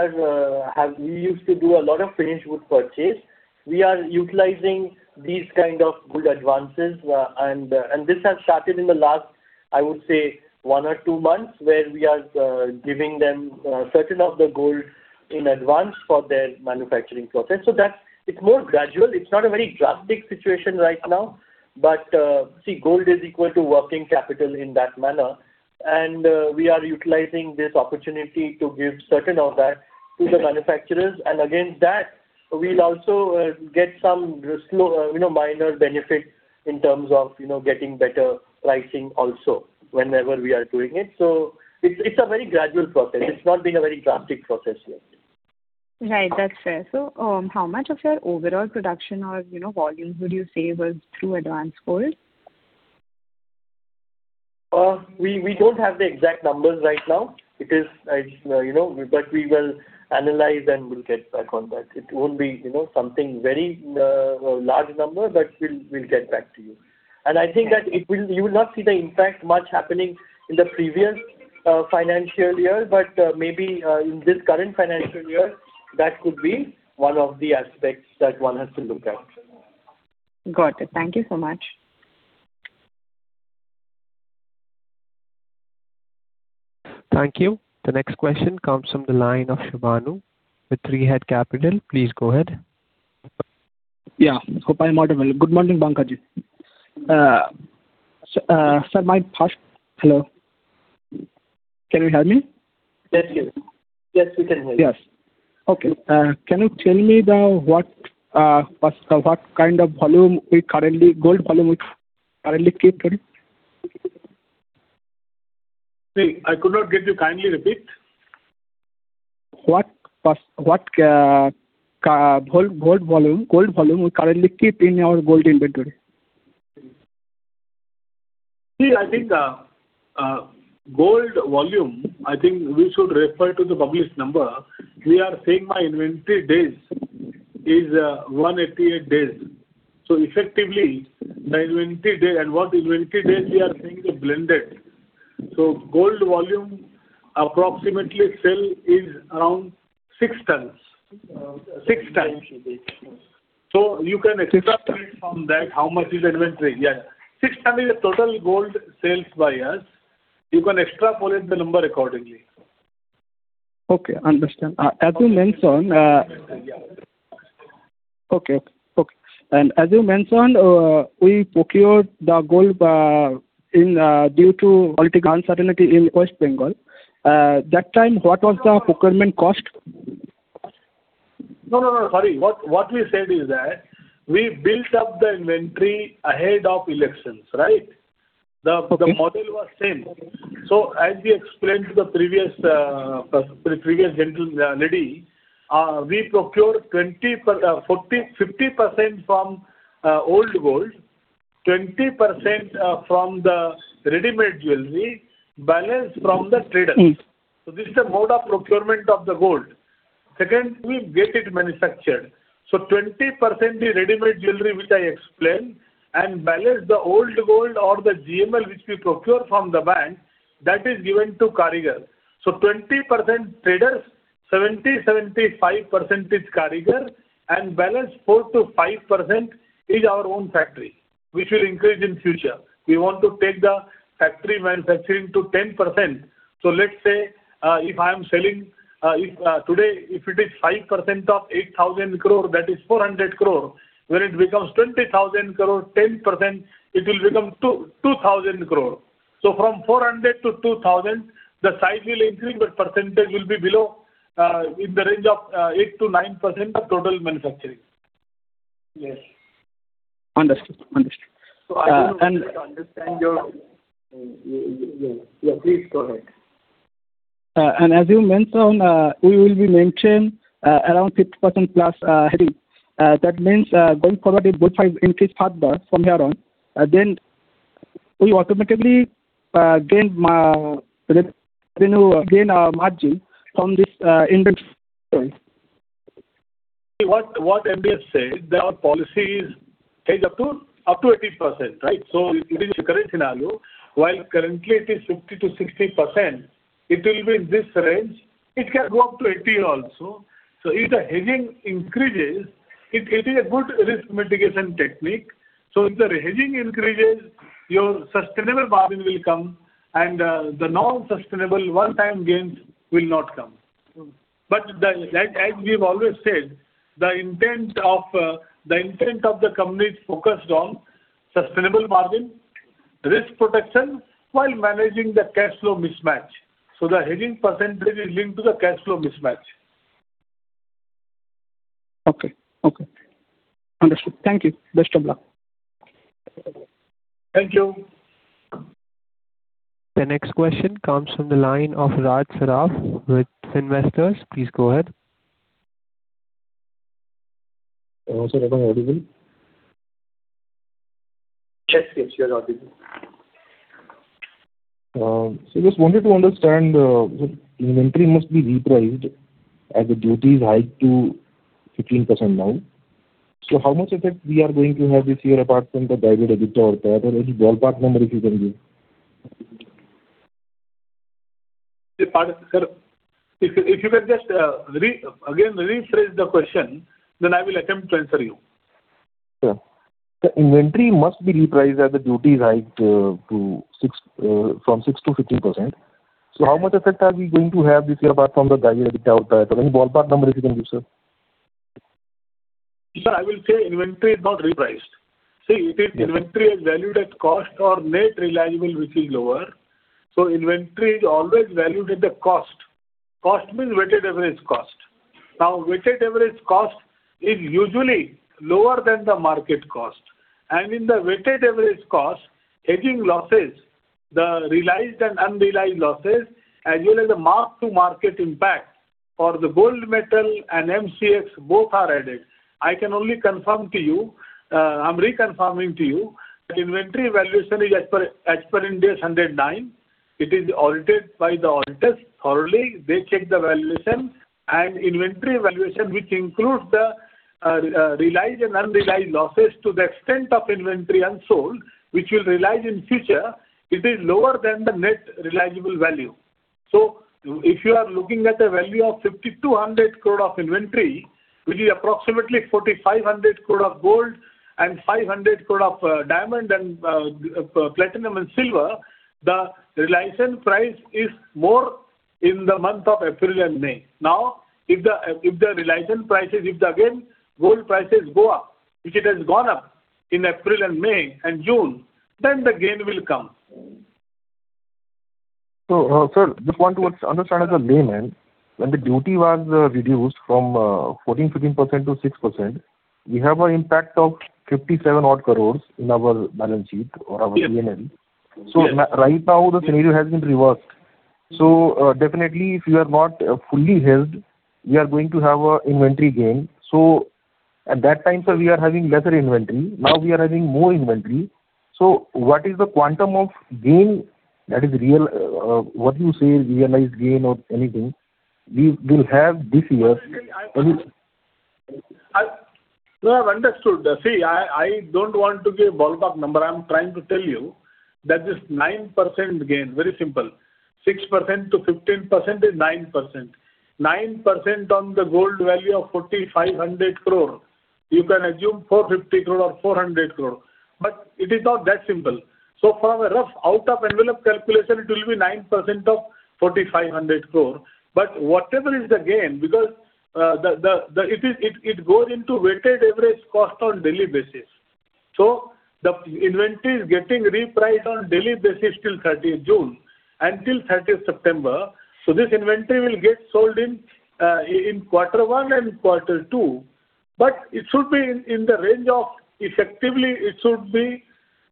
used to do a lot of finished goods purchase, we are utilizing these kind of good advances, and this has started in the last I would say one or two months where we are giving them certain of the gold in advance for their manufacturing process. It's more gradual. It's not a very drastic situation right now. See, gold is equal to working capital in that manner, and we are utilizing this opportunity to give certain of that to the manufacturers. Against that, we'll also get some minor benefit in terms of getting better pricing also whenever we are doing it. It's a very gradual process. It's not been a very drastic process yet. Right. That's fair. How much of your overall production or volume would you say was through advance gold? We don't have the exact numbers right now. We will analyze and we'll get back on that. It won't be something very large number, but we'll get back to you. I think that you will not see the impact much happening in the previous financial year, but maybe in this current financial year, that could be one of the aspects that one has to look at. Got it. Thank you so much. Thank you. The next question comes from the line of Shubhanu with 3 Head Capital. Please go ahead. Yeah. Good morning, Banka Ji. Hello? Can you hear me? Yes, we can hear you. Yes. Okay. Can you tell me what kind of gold volume we currently keep ready? Sorry, I could not get you. Kindly repeat. What gold volume we currently keep in our gold inventory. See, I think gold volume, I think we should refer to the published number. We are saying my inventory days is 188 days. Effectively, the inventory days and what inventory days we are saying is blended. Gold volume approximately sell is around six tons. You can extrapolate from that how much is inventory. Yeah. Six ton is the total gold sales by us. You can extrapolate the number accordingly. Okay, understand. As you mentioned, we procured the gold due to political uncertainty in West Bengal. That time, what was the procurement cost? No, sorry. What we said is that we built up the inventory ahead of elections, right? The model was same. As we explained to the previous lady, we procure 50% from old gold, 20% from the readymade jewelry, balance from the traders. This is the mode of procurement of the gold. Secondly, we get it manufactured. 20% is readymade jewelry, which I explained, and balance the old gold or the GML which we procure from the bank, that is given to karigar. 20% traders, 70%-75% is Karigar, and balance 4% to 5% is our own factory, which will increase in future. We want to take the factory manufacturing to 10%. Let's say, today, if it is 5% of 8,000 crore, that is 400 crore. When it becomes 20,000 crore, 10%, it will become 2,000 crore. From 400 to 2,000, the size will increase, but percentage will be below, in the range of 8%-9% of total manufacturing. Yes. Understood. I don't know if you understand your Yeah, please go ahead. As you mentioned, we will be maintaining around 50% plus hedging. That means, going forward, if gold price increase further from here on, then we automatically gain margin from this inventory. What MD has said, that our policy is hedge up to 80%, right? It is your current scenario, while currently it is 50%-60%, it will be in this range. It can go up to 80% also. If the hedging increases, it is a good risk mitigation technique. If the hedging increases, your sustainable margin will come and the non-sustainable one-time gains will not come. As we've always said, the intent of the company is focused on sustainable margin, risk protection while managing the cash flow mismatch. The hedging percentage is linked to the cash flow mismatch. Okay. Understood. Thank you. Best of luck. Thank you. The next question comes from the line of Raj Saraf with Finvestors. Please go ahead. Hello, sir. Am I audible? Yes. Yes, you are audible Just wanted to understand, inventory must be repriced as the duties hike to 15% now. How much effect we are going to have this year apart from the guided EBITDA or any ballpark number if you can give? Sir, if you can just again rephrase the question, then I will attempt to answer you. Sure. The inventory must be repriced as the duty is hiked from 6%-15%. How much effect are we going to have this year apart from the guidance which you have provided? Any ballpark number if you can give, sir? Sir, I will say inventory is not repriced. If the inventory is valued at cost or net realizable, which is lower. Inventory is always valued at the cost. Cost means weighted average cost. Weighted average cost is usually lower than the market cost. In the weighted average cost, hedging losses, the realized and unrealized losses, as well as the mark to market impact for the gold metal and MCX, both are added. I can only confirm to you, I'm reconfirming to you that inventory valuation is as per Ind AS 109. It is audited by the auditors thoroughly. They check the valuation and inventory valuation, which includes the realized and unrealized losses to the extent of inventory unsold, which will realize in future, it is lower than the net realizable value. If you are looking at a value of 5,200 crore of inventory, which is approximately 4,500 crore of gold and 500 crore of diamond and platinum and silver, the realization price is more in the month of April and May. If the realization prices, if the gold prices go up, which it has gone up in April and May and June, then the gain will come. Sir, just want to understand as a layman, when the duty was reduced from 14%-15% to 6%, we have an impact of 57 odd crore in our balance sheet or our P&L. Yes. Right now the scenario has been reversed. Definitely if you are not fully hedged, we are going to have a inventory gain. At that time, sir, we are having lesser inventory. Now we are having more inventory. What is the quantum of gain that is real, what you say realized gain or anything we will have this year? No, I've understood. See, I don't want to give ballpark number. I'm trying to tell you that this 9% gain, very simple, 6%-15% is 9%. 9% on the gold value of 4,500 crore. You can assume 450 crore or 400 crore. It is not that simple. From a rough out of envelope calculation, it will be 9% of 4,500 crore. Whatever is the gain, because it goes into weighted average cost on daily basis. The inventory is getting repriced on daily basis till 30th June and till 30th September. This inventory will get sold in quarter one and quarter two, but it should be in the range of, effectively, it should be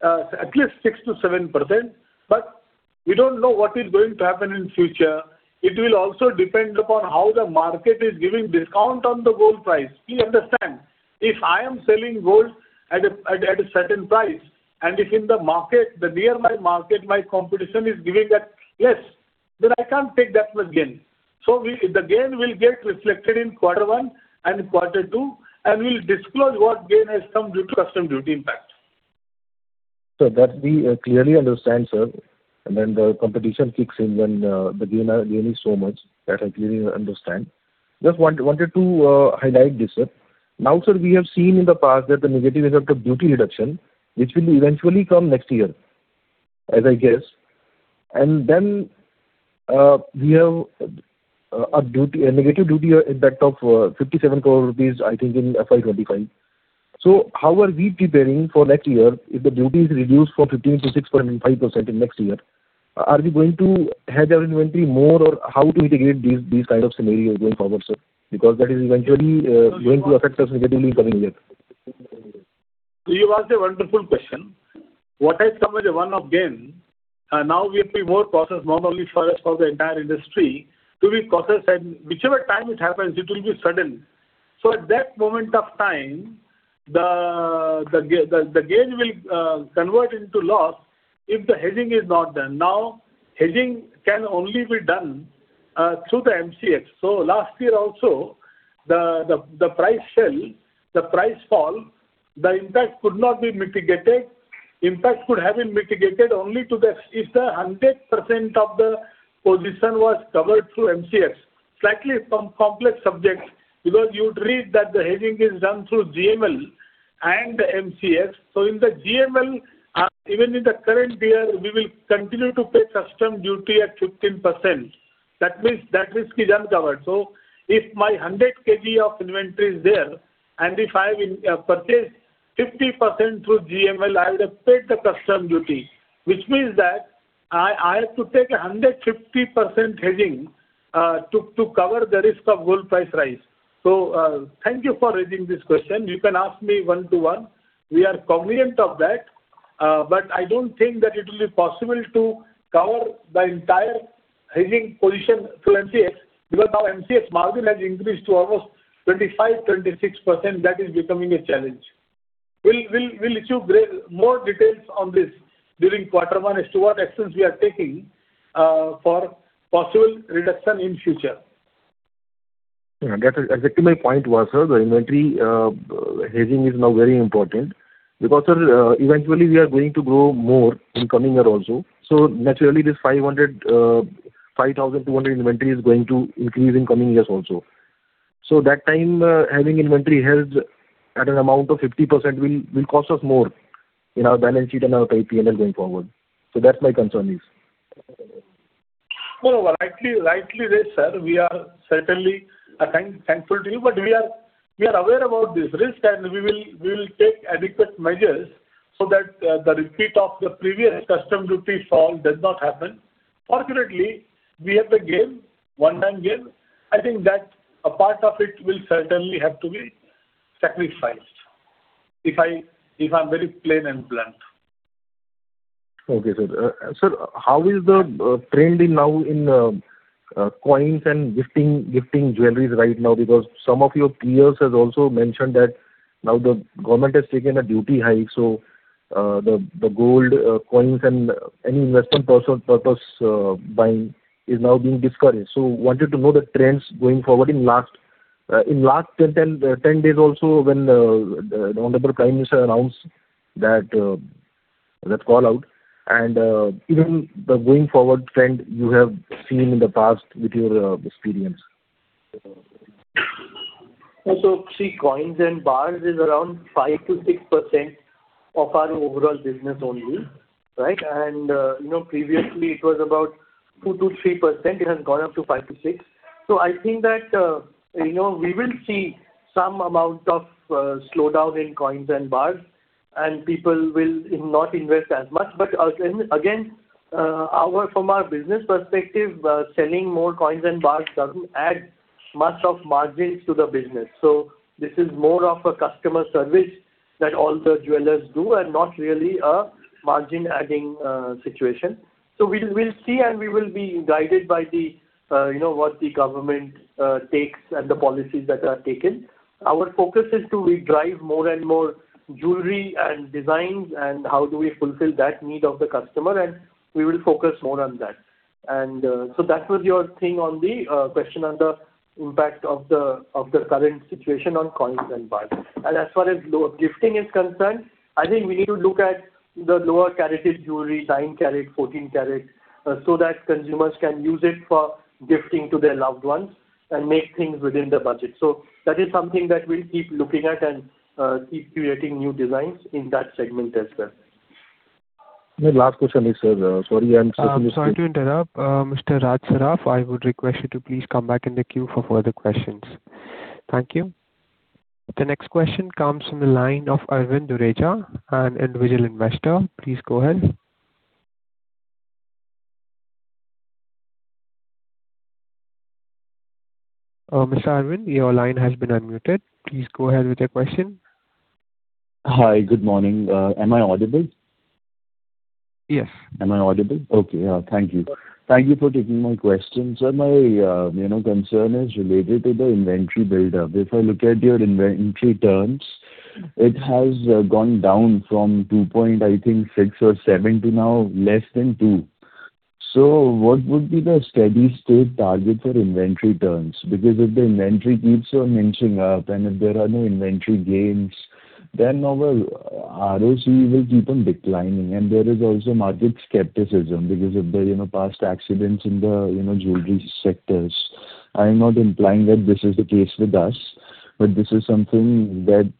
at least 6%-7%, but we don't know what is going to happen in future. It will also depend upon how the market is giving discount on the gold price. Please understand, if I am selling gold at a certain price, and if in the market, the nearby market, my competition is giving that less, then I can't take that much gain. The gain will get reflected in quarter one and quarter two, and we'll disclose what gain has come due to custom duty impact. Sir, that we clearly understand, sir. The competition kicks in when the gain is so much. That I clearly understand. Just wanted to highlight this, sir. We have seen in the past that the negative impact of duty reduction, which will eventually come next year, as I guess. We have a negative duty impact of 57 crore rupees, I think, in FY 2025. How are we preparing for next year if the duty is reduced from 15% to 6.5% in next year? Are we going to hedge our inventory more, or how to integrate these kind of scenarios going forward, sir? That is eventually going to affect us negatively coming year. You asked a wonderful question. What has come as a one-off gain, now we have to more cautious, normally for us, for the entire industry, to be cautious and whichever time it happens, it will be sudden. At that moment of time, the gain will convert into loss if the hedging is not done. Hedging can only be done through the MCX. Last year also, the price fell, the price fall, the impact could not be mitigated. Impact could have been mitigated only if the 100% of the position was covered through MCX. Slightly complex subject, because you'd read that the hedging is done through GML and MCX. In the GML, even in the current year, we will continue to pay custom duty at 15%. That means that risk is uncovered. If my 100 kg of inventory is there, and if I purchase 50% through GML, I would have paid the custom duty, which means that I have to take 150% hedging to cover the risk of gold price rise. Thank you for raising this question. You can ask me one to one. We are cognizant of that, but I don't think that it will be possible to cover the entire hedging position through MCX, because now MCX margin has increased to almost 25%, 26%. That is becoming a challenge. We'll issue more details on this during quarter one as to what actions we are taking for possible reduction in future. Yeah. That's exactly my point was, sir, the inventory hedging is now very important because, sir, eventually we are going to grow more in coming year also. Naturally, this 5,200 inventory is going to increase in coming years also. That time, having inventory hedged at an amount of 50% will cost us more in our balance sheet and our P&L going forward. That's my concern is. No. Rightly said, sir. We are certainly thankful to you, but we are aware about this risk, and we will take adequate measures so that the repeat of the previous custom duty fall does not happen. Fortunately, we have the gain, one-time gain. I think that a part of it will certainly have to be sacrificed, if I'm very plain and blunt. Okay, sir. Sir, how is the trend now in coins and gifting jewelry right now? Some of your peers have also mentioned that now the government has taken a duty hike, so the gold coins and any investment purpose buying is now being discouraged. Wanted to know the trends going forward in last 10 days also when the honorable Prime Minister announced that call-out, and even the going forward trend you have seen in the past with your experience. See, coins and bars is around 5%-6% of our overall business only. Previously it was about 2%-3%. It has gone up to 5%-6%. I think that we will see some amount of slowdown in coins and bars, and people will not invest as much. Again, from our business perspective, selling more coins and bars doesn't add much of margins to the business. This is more of a customer service that all the jewelers do and not really a margin-adding situation. We'll see, and we will be guided by what the government takes and the policies that are taken. Our focus is to drive more and more jewelry and designs and how do we fulfill that need of the customer, and we will focus more on that. That was your thing on the question on the impact of the current situation on coins and bars. As far as gifting is concerned, I think we need to look at the lower caratage jewelry, 9 carat, 14 carat, so that consumers can use it for gifting to their loved ones and make things within the budget. That is something that we'll keep looking at and keep creating new designs in that segment as well. My last question is, sir. Sorry. Sorry to interrupt. Mr. Raj Saraf, I would request you to please come back in the queue for further questions. Thank you. The next question comes from the line of Arvind Dureja, an individual investor. Please go ahead. Mr. Arvind, your line has been unmuted. Please go ahead with your question. Hi. Good morning. Am I audible? Yes. Am I audible? Okay. Thank you. Thank you for taking my question. Sir, my concern is related to the inventory buildup. If I look at your inventory turns, it has gone down from 2.6 or 2.7 to now less than two. What would be the steady state target for inventory turns? Because if the inventory keeps on inching up and if there are no inventory gains, then our ROCE will keep on declining. There is also market skepticism because of the past accidents in the jewellery sectors. I am not implying that this is the case with us, but this is something that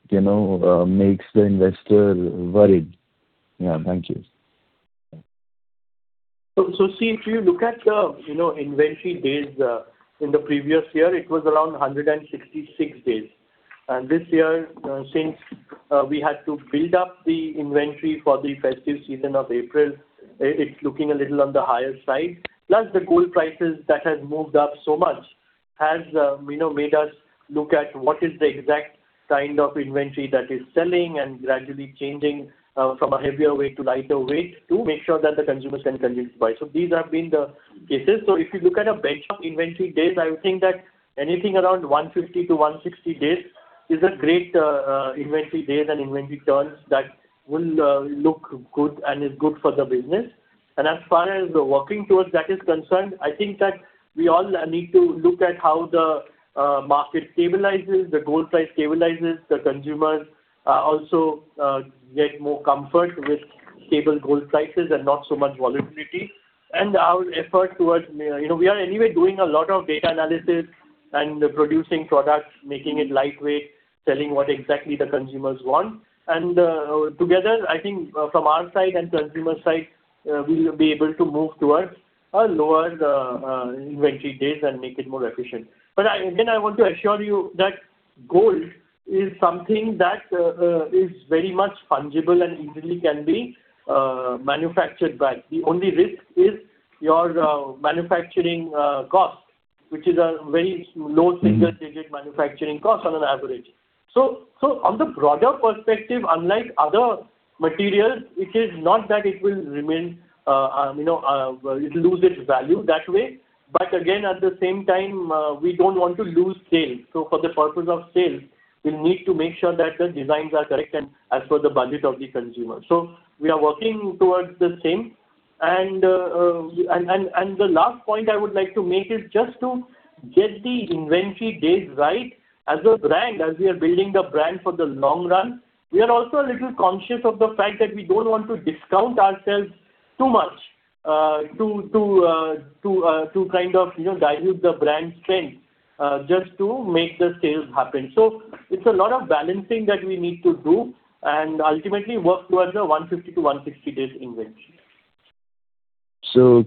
makes the investor worried. Yeah. Thank you. If you look at the inventory days in the previous year, it was around 166 days. This year, since we had to build up the inventory for the festive season of April, it is looking a little on the higher side. The gold prices that has moved up so much has made us look at what is the exact kind of inventory that is selling and gradually changing from a heavier weight to lighter weight to make sure that the consumers can continue to buy. These have been the cases. If you look at a bench of inventory days, I would think that anything around 150-160 days is a great inventory days and inventory turns that will look good and is good for the business. As far as the working towards that is concerned, I think that we all need to look at how the market stabilizes, the gold price stabilizes, the consumers also get more comfort with stable gold prices and not so much volatility. We are anyway doing a lot of data analysis and producing products, making it lightweight, selling what exactly the consumers want. Together, I think from our side and consumer side, we'll be able to move towards a lower inventory days and make it more efficient. Again, I want to assure you that gold is something that is very much fungible and easily can be manufactured back. The only risk is your manufacturing cost, which is a very low single-digit manufacturing cost on an average. On the broader perspective, unlike other materials, it is not that it will lose its value that way. Again, at the same time, we don't want to lose sales. For the purpose of sales, we need to make sure that the designs are correct and as per the budget of the consumer. We are working towards the same. The last point I would like to make is just to get the inventory days right as a brand, as we are building the brand for the long run. We are also a little conscious of the fact that we don't want to discount ourselves too much to dilute the brand strength just to make the sales happen. It's a lot of balancing that we need to do and ultimately work towards a 150-160 days inventory.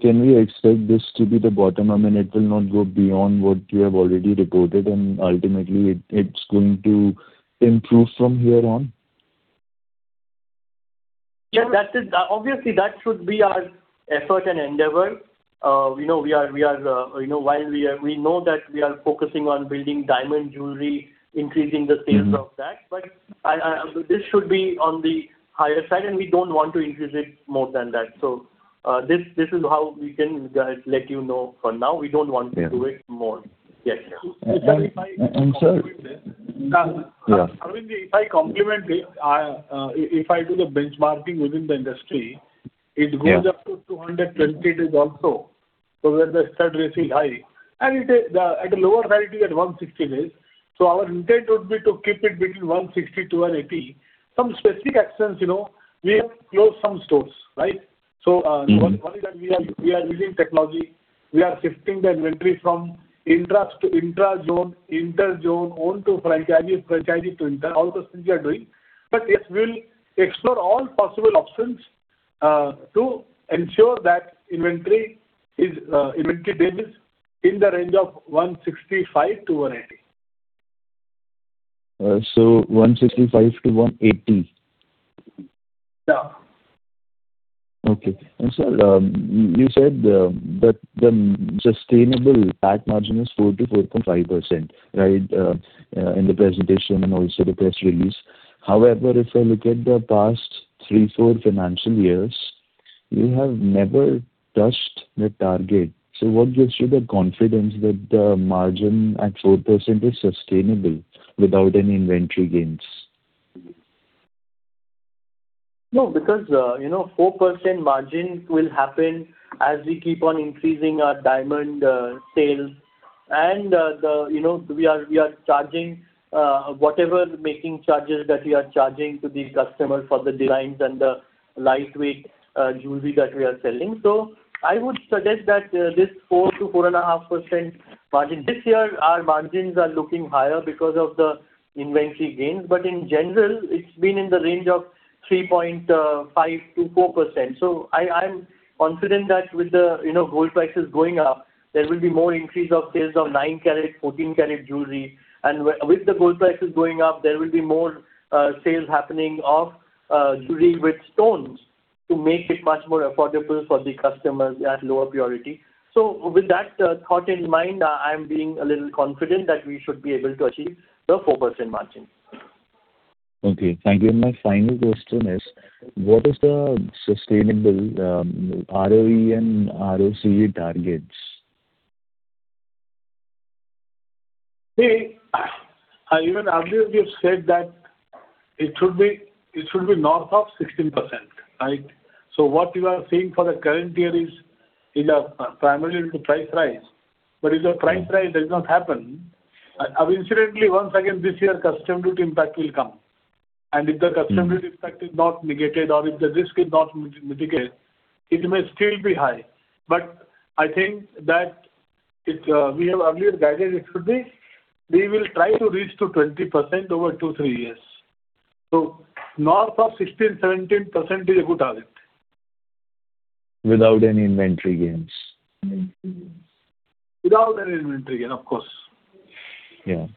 Can we expect this to be the bottom? I mean, it will not go beyond what you have already reported, and ultimately, it's going to improve from here on? Yes. Obviously, that should be our effort and endeavor. We know that we are focusing on building diamond jewelry, increasing the sales of that. This should be on the higher side, and we don't want to increase it more than that. This is how we can let you know for now. We don't want to do it more. Yes. And sir- If I compliment it. Yeah. I mean, if I compliment it, if I do the benchmarking within the industry. Yeah It goes up to 220 days also, where the stock will stay high. At a lower value at 160 days. Our intent would be to keep it between 160-180. Some specific actions, we have closed some stores. Right. One is that we are using technology. We are shifting the inventory from intra-zone, inter-zone, own to franchisee to inter, all those things we are doing. Yes, we'll explore all possible options to ensure that inventory days is in the range of 165-180. So, 165-180. Yeah. Okay. Sir, you said that the sustainable PAT margin is 4%-4.5%. Right? In the presentation and also the press release. If I look at the past three, four financial years, you have never touched the target. What gives you the confidence that the margin at 4% is sustainable without any inventory gains? No, because 4% margin will happen as we keep on increasing our diamond sales. We are charging whatever making charges that we are charging to the customers for the designs and the lightweight jewelry that we are selling. I would suggest that this 4%-4.5% margin. This year, our margins are looking higher because of the inventory gains. In general, it's been in the range of 3.5%-4%. I am confident that with the gold prices going up, there will be more increase of sales of 9 karat, 14 karat jewelry. With the gold prices going up, there will be more sales happening of jewelry with stones to make it much more affordable for the customers at lower purity. With that thought in mind, I'm being a little confident that we should be able to achieve the 4% margin. Okay, thank you. My final question is, what is the sustainable ROE and ROCE targets? Even earlier we have said that it should be north of 16%. Right? What you are seeing for the current year is primarily due to price rise. If the price rise does not happen, incidentally, once again this year, custom duty impact will come. If the custom duty impact is not negated or if the risk is not mitigated, it may still be high. I think that we have earlier guided it should be, we will try to reach to 20% over two, three years. North of 16%, 17% is a good target. Without any inventory gains. Without any inventory gain, of course. Yeah.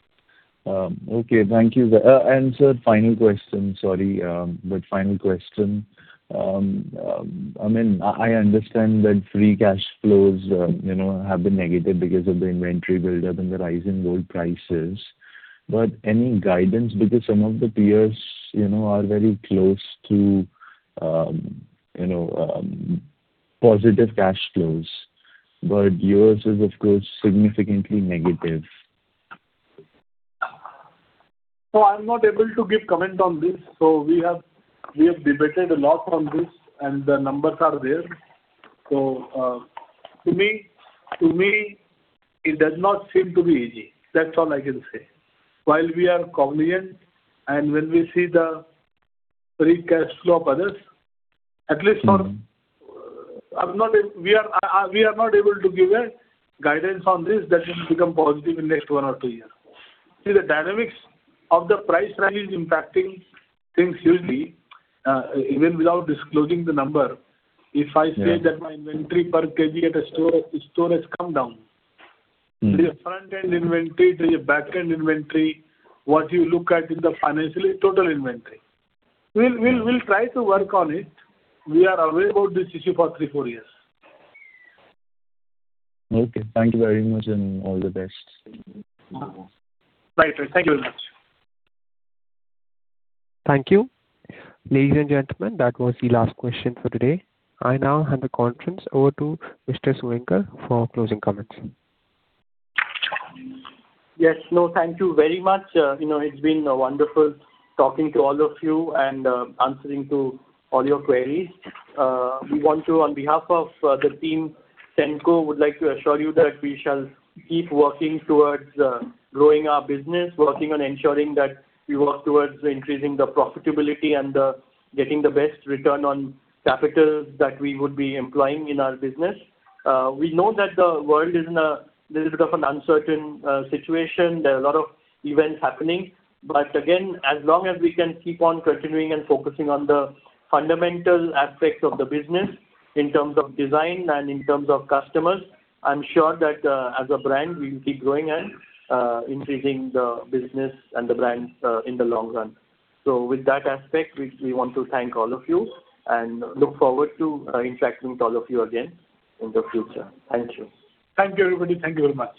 Okay. Thank you. Sir, final question. Sorry, final question. I mean, I understand that free cash flows have been negative because of the inventory build-up and the rise in gold prices. Any guidance? Some of the peers are very close to positive cash flows. Yours is, of course, significantly negative. I'm not able to give comment on this. We have debated a lot on this, and the numbers are there. To me, it does not seem to be easy. That's all I can say. While we are cognizant and when we see the free cash flow of others, at least for- We are not able to give a guidance on this that will become positive in next one or two years. See, the dynamics of the price rise impacting things hugely, even without disclosing the number. Yeah If I say that my inventory per kg at a store has come down. Be a front-end inventory, be a back-end inventory, what you look at is the financially total inventory. We'll try to work on it. We are aware about this issue for three, four years. Okay. Thank you very much, and all the best. Right. Thank you very much. Thank you. Ladies and gentlemen, that was the last question for today. I now hand the conference over to Mr. Suvankar Sen for closing comments. Yes. No, thank you very much. It's been wonderful talking to all of you and answering to all your queries. We want to, on behalf of the team, Senco would like to assure you that we shall keep working towards growing our business, working on ensuring that we work towards increasing the profitability and getting the best return on capital that we would be employing in our business. We know that the world is in a little bit of an uncertain situation. There are a lot of events happening. Again, as long as we can keep on continuing and focusing on the fundamental aspects of the business in terms of design and in terms of customers, I'm sure that as a brand, we will keep growing and increasing the business and the brand in the long run. With that aspect, we want to thank all of you and look forward to interacting with all of you again in the future. Thank you. Thank you, everybody. Thank you very much.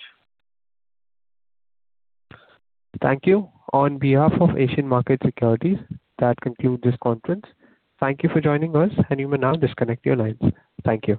Thank you. On behalf of Asian Markets Securities, that concludes this conference. Thank you for joining us, and you may now disconnect your lines. Thank you.